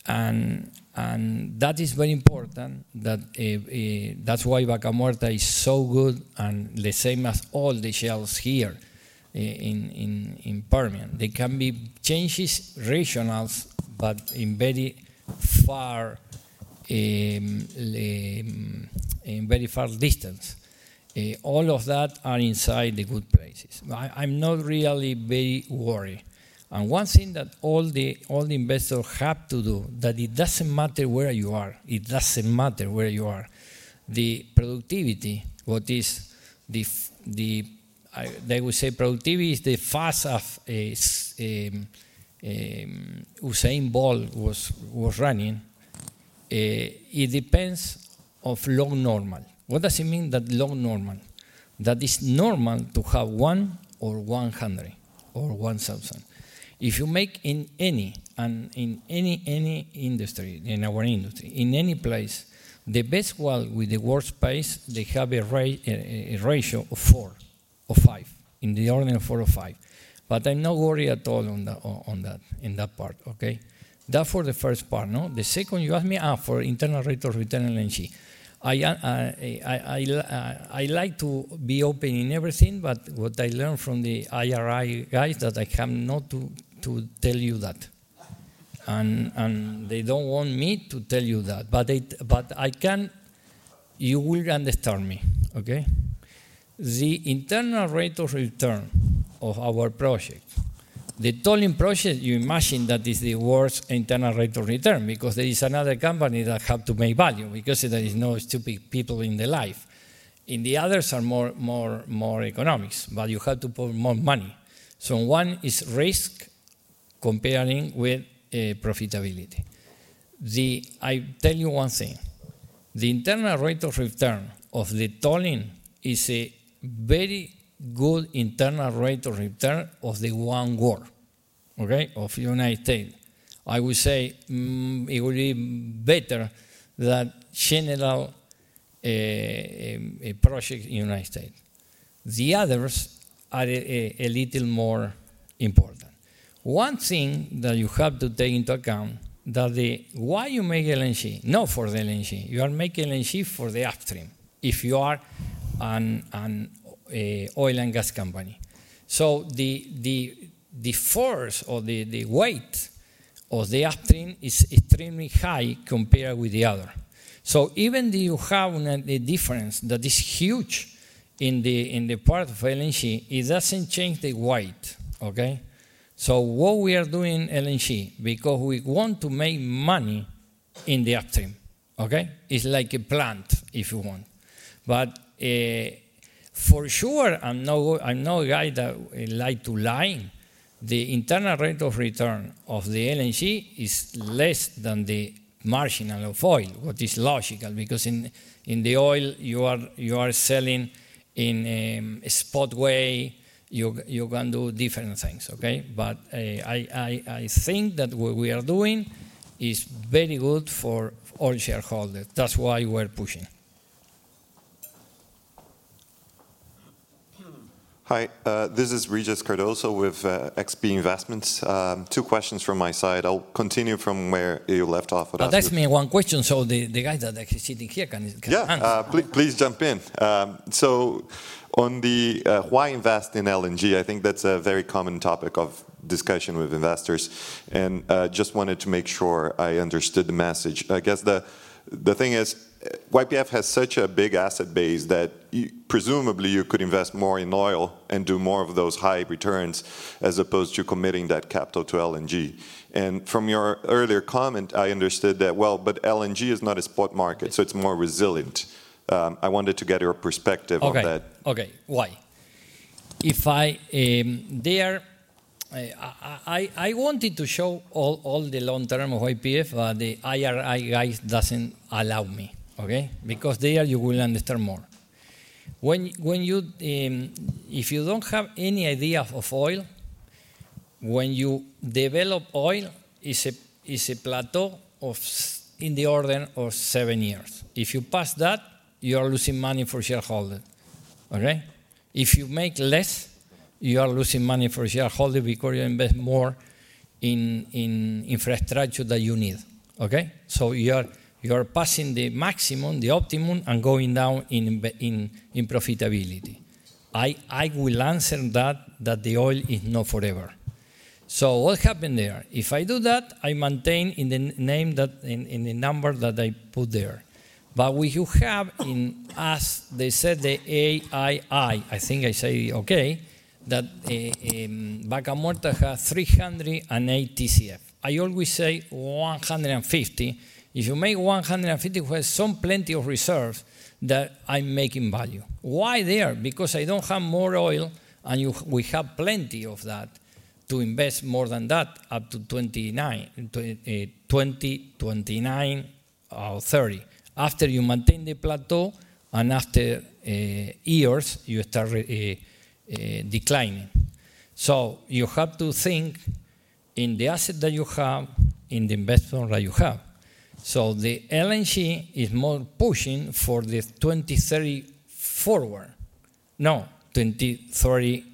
That is very important, that's why Vaca Muerta is so good and the same as all the shales here in Permian. They can be changes regionals, but in very far, in very far distance. All of that are inside the good places. I'm not really very worried. One thing that all the investors have to do, it doesn't matter where you are, it doesn't matter where you are, the productivity, what is the, they would say productivity is the fast Usain Bolt was running, it depends of long normal. What does it mean that long normal? That is normal to have one or 100 or 1,000. If you make in any and in any industry, in our industry, in any place, the best one with the worst price, they have a ratio of four or five, in the order of four or five. I'm not worried at all on that, in that part, okay? That for the first part, no? The second, you asked me for internal rate of return LNG. I like to be open in everything, but what I learned from the IR guys that I have not to tell you that. They don't want me to tell you that, but I can, you will understand me, okay? The internal rate of return of our project, the tolling project, you imagine that is the worst internal rate of return because there is another company that has to make value because there are no stupid people in life. In the others are more economics, but you have to put more money. One is risk comparing with profitability. I'll tell you one thing. The internal rate of return of the tolling is a very good internal rate of return of the one world, okay, of the United States. I would say it would be better than general projects in the United States. The others are a little more important. One thing that you have to take into account is that the why you make LNG, not for the LNG, you are making LNG for the upstream if you are an oil and gas company. The force or the weight of the upstream is extremely high compared with the other. Even though you have a difference that is huge in the part of LNG, it does not change the weight, okay? We are doing LNG because we want to make money in the upstream, okay? It is like a plant if you want. For sure, I am not a guy that likes to lie. The internal rate of return of the LNG is less than the marginal of oil, which is logical because in the oil, you are selling in a spot way, you can do different things, okay? But I think that what we are doing is very good for all shareholders. That is why we are pushing. Hi, this is Regis Cardoso with XP Investments. Two questions from my side. I will continue from where you left off. That is my one question. So the guy that is sitting here can answer. Yeah, please jump in. On the why invest in LNG, I think that is a very common topic of discussion with investors. I just wanted to make sure I understood the message. I guess the thing is YPF has such a big asset base that presumably you could invest more in oil and do more of those high returns as opposed to committing that capital to LNG. From your earlier comment, I understood that, well, LNG is not a spot market, so it is more resilient. I wanted to get your perspective on that. Okay, okay, why? If I there, I wanted to show all the long term of YPF, but the IR guys doesn't allow me, okay? Because there you will understand more. When you, if you don't have any idea of oil, when you develop oil, it's a plateau of in the order of seven years. If you pass that, you are losing money for shareholders, okay? If you make less, you are losing money for shareholders because you invest more in infrastructure that you need, okay? You are passing the maximum, the optimum, and going down in profitability. I will answer that, that the oil is not forever. What happened there? If I do that, I maintain in the name that in the number that I put there. We do have in us, they said the EIA, I think I say, okay, that Vaca Muerta has 380 CF. I always say 150. If you make 150, we have some plenty of reserves that I'm making value. Why there? Because I don't have more oil and we have plenty of that to invest more than that up to 2029 or 2030. After you maintain the plateau and after years, you start declining. You have to think in the asset that you have, in the investment that you have. The LNG is more pushing for the 2030 forward, not 2030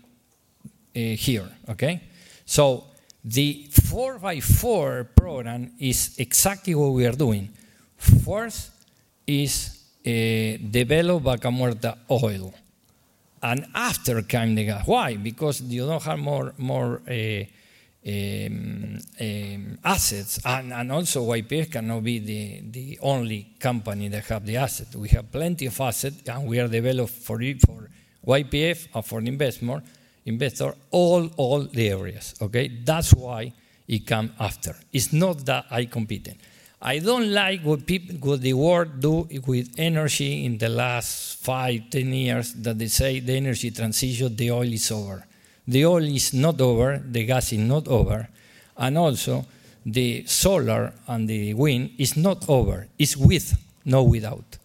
here, okay? The four by four program is exactly what we are doing. First is develop Vaca Muerta oil. After coming to gas, why? Because you don't have more assets. Also, YPF cannot be the only company that has the assets. We have plenty of assets and we are developed for YPF or for the investor all the areas, okay? That's why it comes after. It's not that I'm competing. I don't like what the world does with energy in the last five, ten years that they say the energy transition, the oil is over. The oil is not over, the gas is not over. And also the solar and the wind is not over. It's with, not without.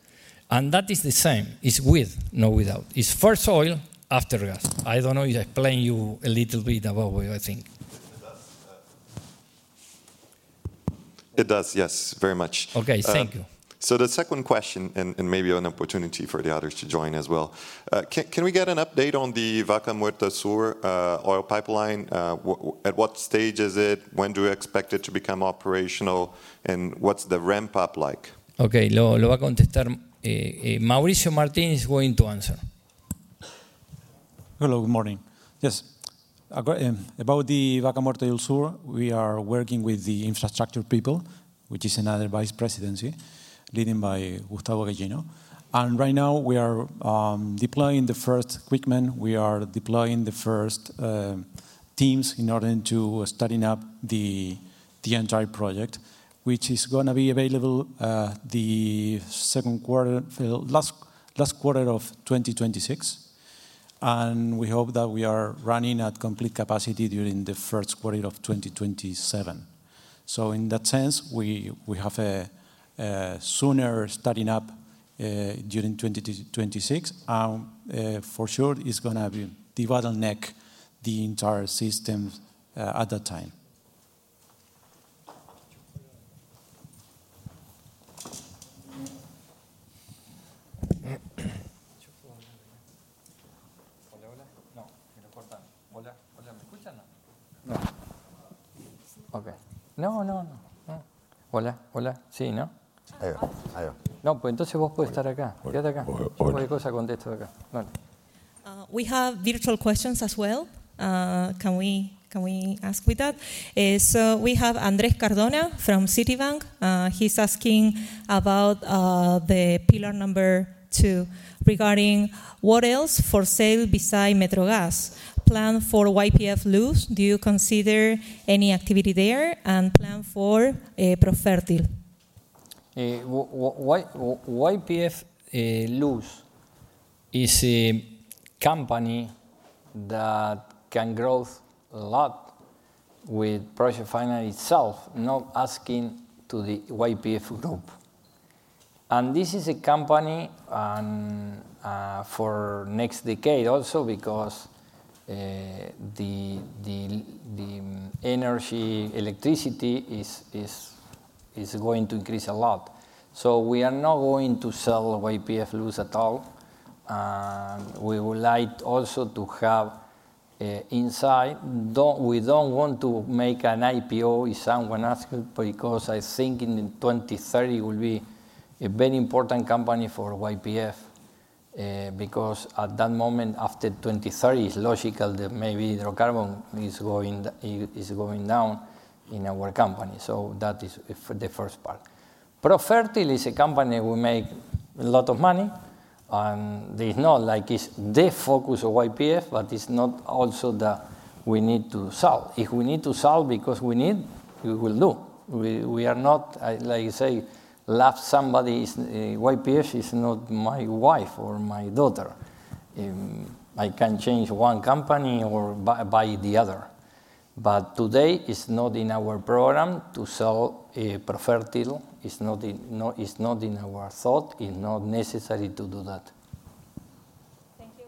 That is the same. It's with, not without. It's first oil, after gas. I don't know if I explained you a little bit about what I think. It does, yes, very much. Okay, thank you. The second question, and maybe an opportunity for the others to join as well. Can we get an update on the Vaca Muerta Sur oil pipeline? At what stage is it? When do you expect it to become operational? What's the ramp up like? Okay, lo va a contestar. Mauricio Martín is going to answer. Hello, good morning. Yes. About the Vaca Muerta del Sur, we are working with the infrastructure people, which is another vice presidency led by Gustavo Gallino. Right now we are deploying the first equipment. We are deploying the first teams in order to start up the entire project, which is going to be available the second quarter, last quarter of 2026. We hope that we are running at complete capacity during the first quarter of 2027. In that sense, we have a sooner start up during 2026. For sure, it is going to be dividing the entire system at that time. Hola, hola. No, no importa. Hola, hola, ¿me escuchan? No. Okay. No, no, no. Hola, hola. Sí, ¿no? Adiós. No, pues entonces vos podés estar acá. Quédate acá. Después de cosas contesto acá. We have virtual questions as well. Can we ask with that? We have Andrés Cardona from Citibank. He's asking about the pillar number two regarding what else for sale besides Metro Gas. Plan for YPF Luz, do you consider any activity there? And plan for ProFertil. YPF Luz is a company that can grow a lot with project finance itself, not asking to the YPF group. This is a company for next decade also because the energy, electricity is going to increase a lot. We are not going to sell YPF Luz at all. We would like also to have inside, we don't want to make an IPO if someone asks because I think in 2030 will be a very important company for YPF because at that moment after 2030, it's logical that maybe hydrocarbon is going down in our company. That is the first part. ProFertil is a company we make a lot of money. It is not like it is the focus of YPF, but it is not also that we need to sell. If we need to sell because we need, we will do. We are not, like I say, love somebody. YPF is not my wife or my daughter. I can change one company or buy the other. Today it is not in our program to sell ProFertil. It is not in our thought. It is not necessary to do that. Thank you.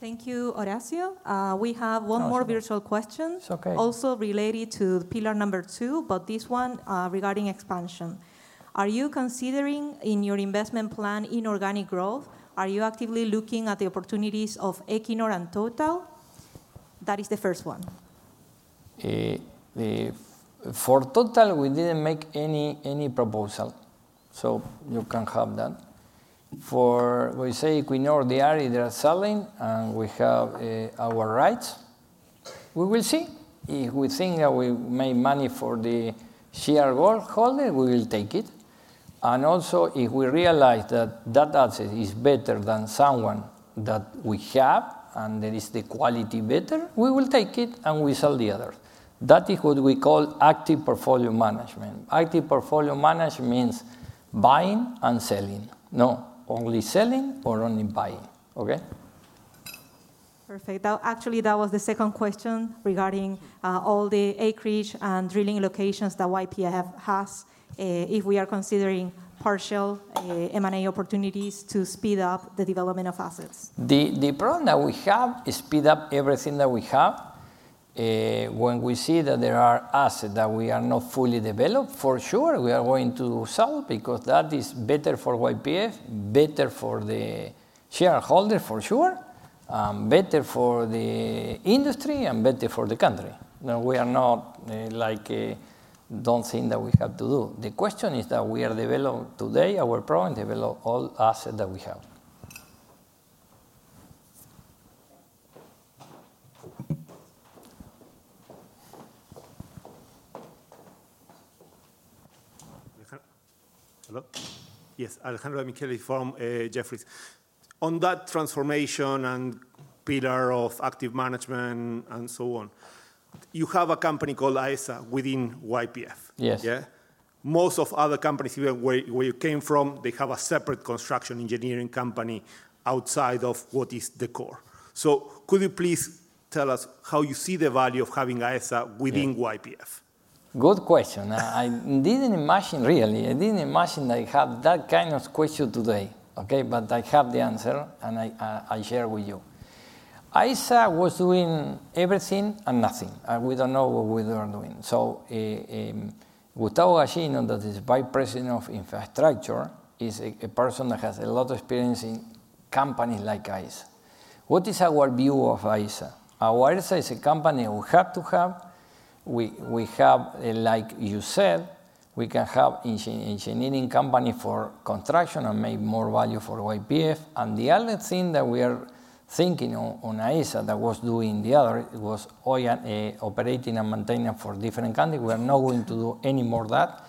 Thank you, Horacio. We have one more virtual question. It is okay. Also related to pillar number two, but this one regarding expansion. Are you considering in your investment plan in organic growth? Are you actively looking at the opportunities of Equinor and Total? That is the first one. For Total, We did not make any proposal. You can have that. For what you say, Equinor, they are selling and we have our rights. We will see. If we think that we make money for the shareholder, we will take it. Also, if we realize that that asset is better than someone that we have and there is the quality better, we will take it and we sell the others. That is what we call active portfolio management. Active portfolio management means buying and selling, not only selling or only buying, okay? Perfect. Actually, that was the second question regarding all the acreage and drilling locations that YPF has if we are considering partial M&A opportunities to speed up the development of assets. The problem that we have is speed up everything that we have. When we see that there are assets that we are not fully developed, for sure, we are going to sell because that is better for YPF, better for the shareholder, for sure, better for the industry, and better for the country. We are not like do not think that we have to do. The question is that we are developing today our problem and develop all assets that we have. Yes, Alejandro Demichelis from Jefferies. On that transformation and pillar of active management and so on, you have a company called AESA within YPF. Yes. Yeah? Most of other companies, even where you came from, they have a separate construction engineering company outside of what is the core. So could you please tell us how you see the value of having AESA within YPF? Good question. I did not imagine really. I didn't imagine that I have that kind of question today, okay? I have the answer and I share with you. AESA was doing everything and nothing. We don't know what we are doing. Gustavo Gallino, that is Vice President of Infrastructure, is a person that has a lot of experience in companies like AESA. What is our view of AESA? Our AESA is a company we have to have. We have, like you said, we can have engineering company for construction and make more value for YPF. The other thing that we are thinking on AESA that was doing the other was operating and maintaining for different countries. We are not going to do any more of that.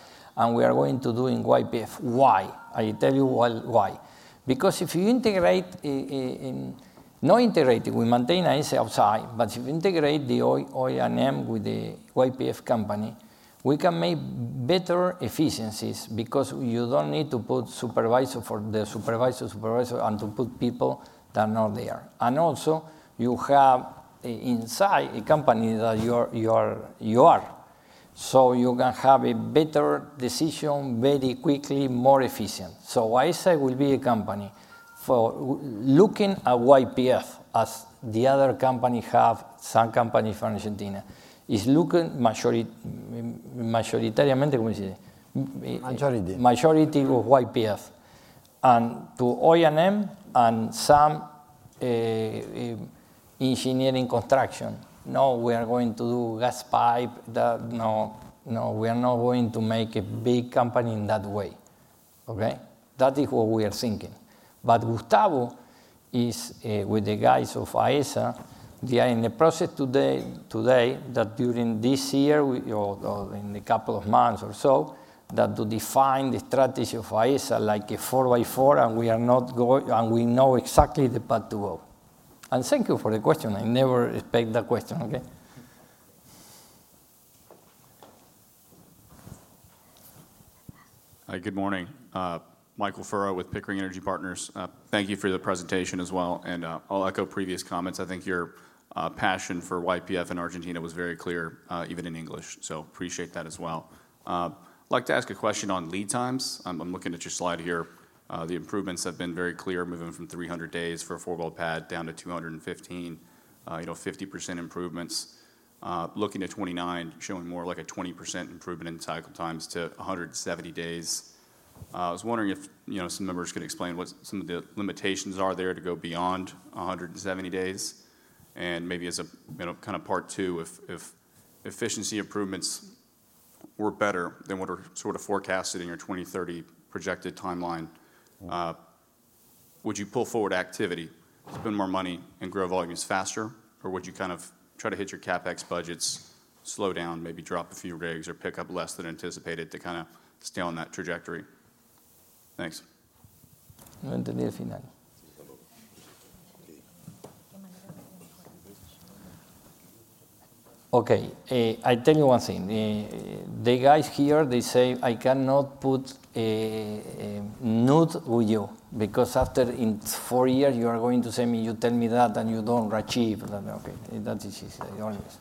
We are going to do in YPF. Why? I'll tell you why. Because if you integrate in not integrating, we maintain AESA outside, but if you integrate the OEM with the YPF company, we can make better efficiencies because you do not need to put supervisor for the supervisor and to put people that are not there. Also, you have inside a company that you are. You can have a better decision very quickly, more efficient. AESA will be a company. Looking at YPF as the other company have some company from Argentina, is looking majoritariamente, majority of YPF and to OEM and some engineering construction. No, we are going to do gas pipe. No, we are not going to make a big company in that way. Okay? That is what we are thinking. Gustavo is with the guys of AESA. They are in the process today that during this year or in a couple of months or so that to define the strategy of AESA like a four by four and we are not going and we know exactly the path to go. Thank you for the question. I never expect that question, okay? Hi, good morning. Michael Ferro with Pickering Energy Partners. Thank you for the presentation as well. I will echo previous comments. I think your passion for YPF in Argentina was very clear, even in English. Appreciate that as well. I'd like to ask a question on lead times. I'm looking at your slide here. The improvements have been very clear, moving from 300 days for a four-wheel pad down to 215, 50% improvements. Looking at 2029, showing more like a 20% improvement in cycle times to 170 days. I was wondering if some members could explain what some of the limitations are there to go beyond 170 days. Maybe as a kind of part two, if efficiency improvements were better than what are sort of forecasted in your 2030 projected timeline, would you pull forward activity to spend more money and grow volumes faster? Or would you kind of try to hit your CapEx budgets, slow down, maybe drop a few rigs or pick up less than anticipated to kind of stay on that trajectory? Thanks. Okay. I'll tell you one thing. The guys here, they say, "I cannot put nude with you because after four years you are going to send me, you tell me that and you don't achieve." Okay, that is honest.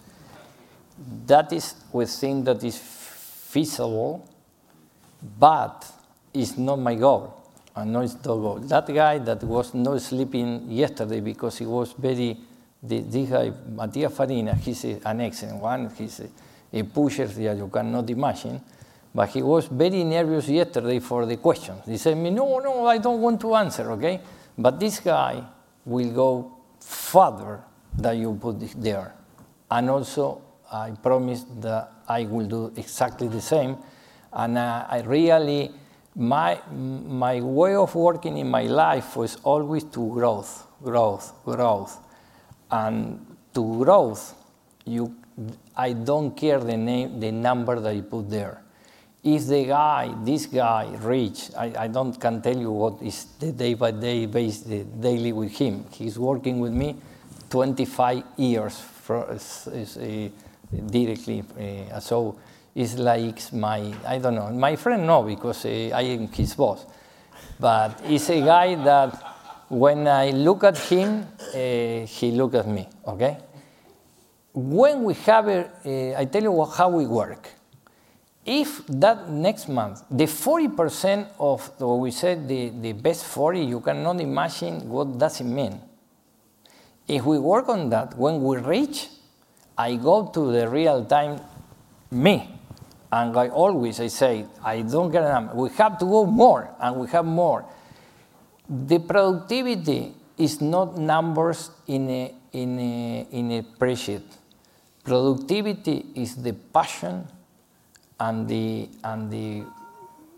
That is with things that is feasible, but it's not my goal. That guy that was not sleeping yesterday because he was very, this guy, Matías Farina, he's an excellent one. He's a pusher, you cannot imagine. He was very nervous yesterday for the question. He said to me, "No, no, I don't want to answer, okay? This guy will go farther than you put there." I promised that I will do exactly the same. I really, my way of working in my life was always to growth, growth, growth. To growth, I don't care the number that you put there. If the guy, this guy, reach, I can't tell you what is the day-by-day base, the daily with him. He's working with me 25 years directly. It's like my, I don't know, my friend, no, because I am his boss. He is a guy that when I look at him, he looks at me, okay? When we have it, I tell you how we work. If that next month, the 40% of what we said, the best 40, you cannot imagine what does it mean. If we work on that, when we reach, I go to the real-time me. I always say, I do not get a number. We have to go more and we have more. The productivity is not numbers in a spreadsheet. Productivity is the passion and,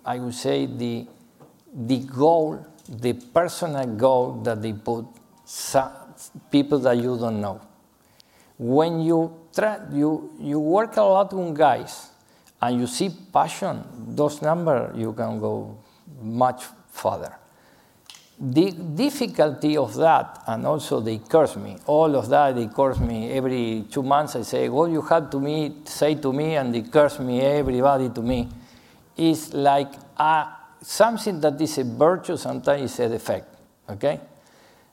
I would say, the goal, the personal goal that they put, people that you do not know. When you work a lot on guys and you see passion, those numbers, you can go much farther. The difficulty of that, and also they curse me, all of that, they curse me every two months. I say, "What you have to me say to me," and they curse me, everybody to me, is like something that is a virtue, sometimes it's a defect, okay?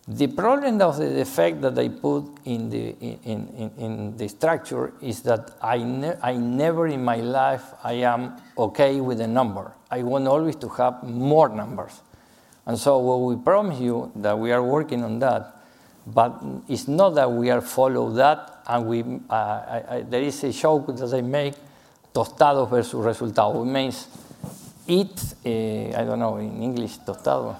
The problem of the defect that they put in the structure is that I never in my life, I am okay with a number. I want always to have more numbers. What we promise you that we are working on that, but it's not that we are following that. There is a show that they make, tostado versus resultado. It means eat, I don't know in English, tostado.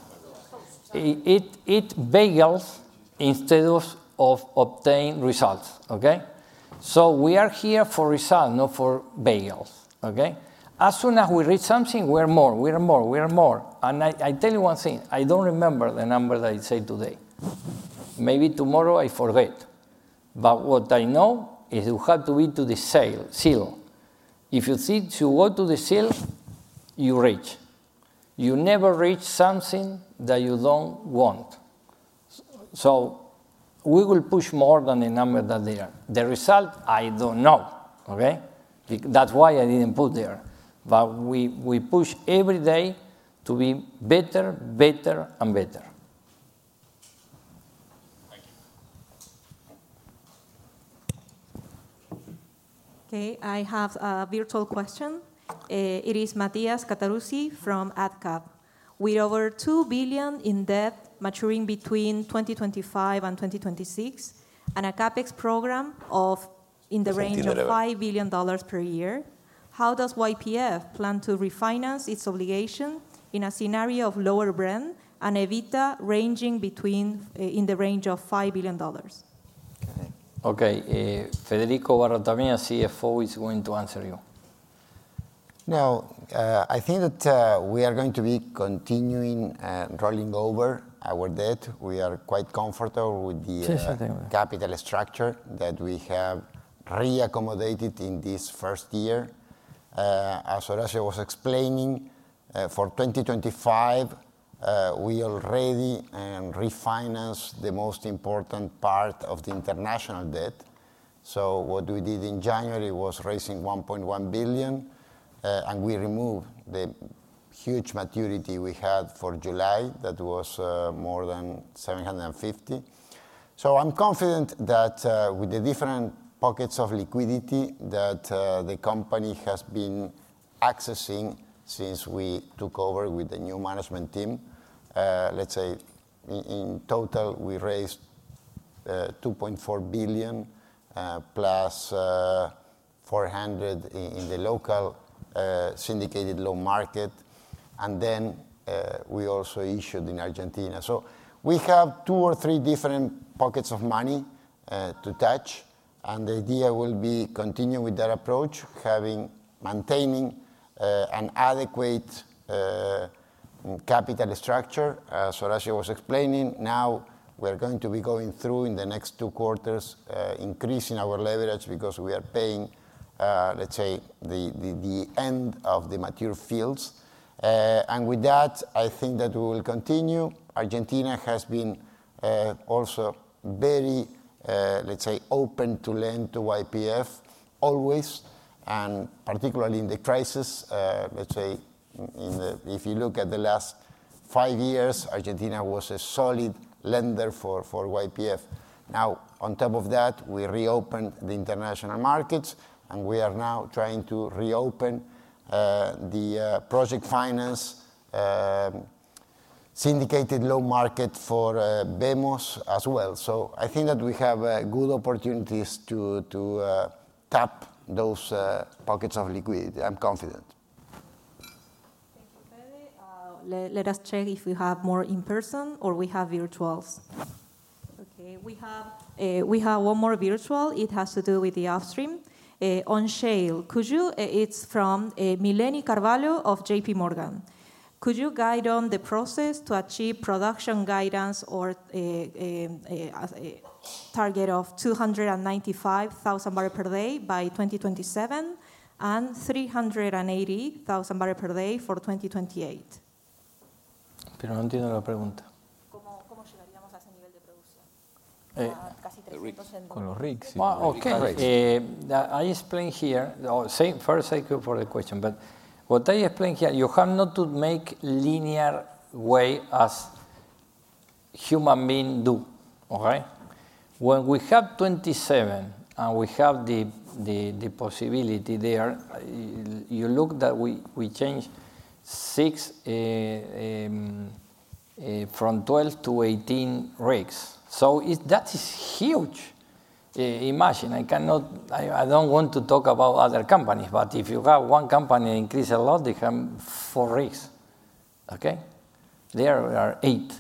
Eat bagels instead of obtain results, okay? We are here for result, not for bagels, okay? As soon as we reach something, we are more, we are more, we are more. I tell you one thing, I don't remember the number that I say today. Maybe tomorrow I forget. What I know is you have to be to the seal. If you see to go to the seal, you reach. You never reach something that you do not want. We will push more than the number that they are. The result, I do not know, okay? That is why I did not put there. We push every day to be better, better, and better. Thank you. I have a virtual question. It is Matías Cattarusi from ADCAP. With over $2 billion in debt maturing between 2025 and 2026 and a CapEx program in the range of $5 billion per year, how does YPF plan to refinance its obligation in a scenario of lower Brent and EBITDA ranging in the range of $5 billion? Federico Barroetaveña, CFO, is going to answer you. Now, I think that we are going to be continuing rolling over our debt. We are quite comfortable with the capital structure that we have reaccommodated in this first year. As Horacio was explaining, for 2025, we already refinanced the most important part of the international debt. What we did in January was raising $1.1 billion, and we removed the huge maturity we had for July that was more than $750 million. I am confident that with the different pockets of liquidity that the company has been accessing since we took over with the new management team, let's say in total, we raised $2.4 billion plus $400 million in the local syndicated loan market. We also issued in Argentina. We have two or three different pockets of money to touch. The idea will be continue with that approach, maintaining an adequate capital structure. As Horacio was explaining, now we're going to be going through in the next two quarters, increasing our leverage because we are paying, let's say, the end of the mature fields. With that, I think that we will continue. Argentina has been also very, let's say, open to lend to YPF always, and particularly in the crisis, let's say, if you look at the last five years, Argentina was a solid lender for YPF. Now, on top of that, we reopened the international markets, and we are now trying to reopen the project finance syndicated loan market for VEMOS as well. I think that we have good opportunities to tap those pockets of liquidity. I'm confident. Thank you, Freddy. Let us check if we have more in person or we have virtuals. Okay, we have one more virtual. It has to do with the upstream. On Shale, it's from Mileni Carvalho of JP Morgan. Could you guide on the process to achieve production guidance or target of 295,000 barrels per day by 2027 and 380,000 barrels per day for 2028? Pero no entiendo la pregunta. ¿Cómo llegaríamos a ese nivel de producción? Casi 300. Con los RIGs. I explained here, first thank you for the question, but what I explained here, you have not to make linear way as human beings do, okay? When we have 2027 and we have the possibility there, you look that we change 6 from 12 to 18 RIGs. That is huge. Imagine, I don't want to talk about other companies, but if you have one company that increases a lot, they have four RIGs, okay? There are eight.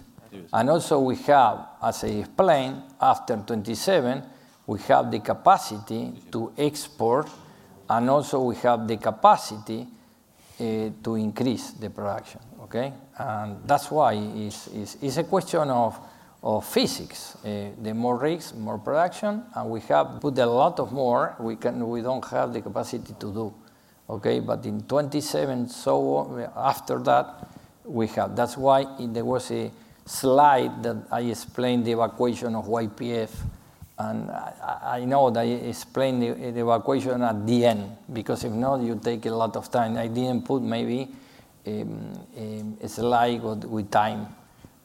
Also, we have, as I explained, after 2027, we have the capacity to export, and also we have the capacity to increase the production, okay? That is why it is a question of physics. The more rigs, more production, and we have. Put a lot more, we do not have the capacity to do, okay? In 2027, after that, we have. That is why there was a slide that I explained, the evacuation of YPF, and I know that I explained the evacuation at the end because if not, you take a lot of time. I did not put maybe a slide with time,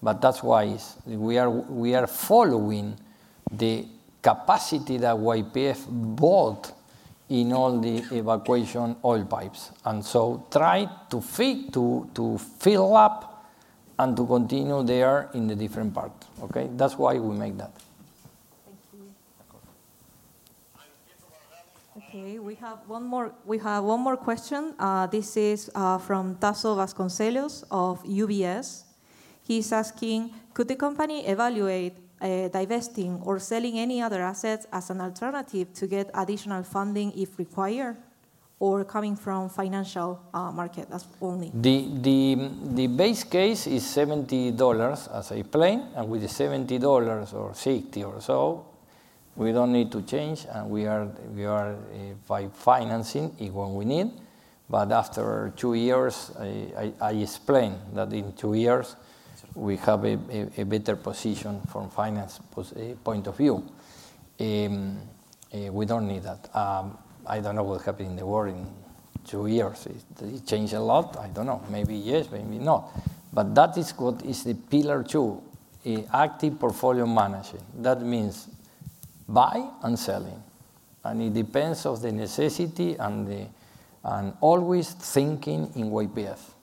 but that is why we are following the capacity that YPF bought in all the evacuation oil pipes. We try to fill up and to continue there in the different parts, okay? That is why we make that. Thank you. Okay, we have one more question. This is from Tasso Vasconcelos of UBS. He's asking, could the company evaluate divesting or selling any other assets as an alternative to get additional funding if required or coming from financial market? That's only. The base case is $70, as I explained, and with the $70 or $60 or so, we don't need to change, and we are by financing what we need. After two years, I explained that in two years, we have a better position from a finance point of view. We don't need that. I don't know what happened in the world in two years. It changed a lot. I don't know. Maybe yes, maybe not. That is what is the pillar two, active portfolio management. That means buy and selling. It depends on the necessity and alcoways thinking in YPF, okay?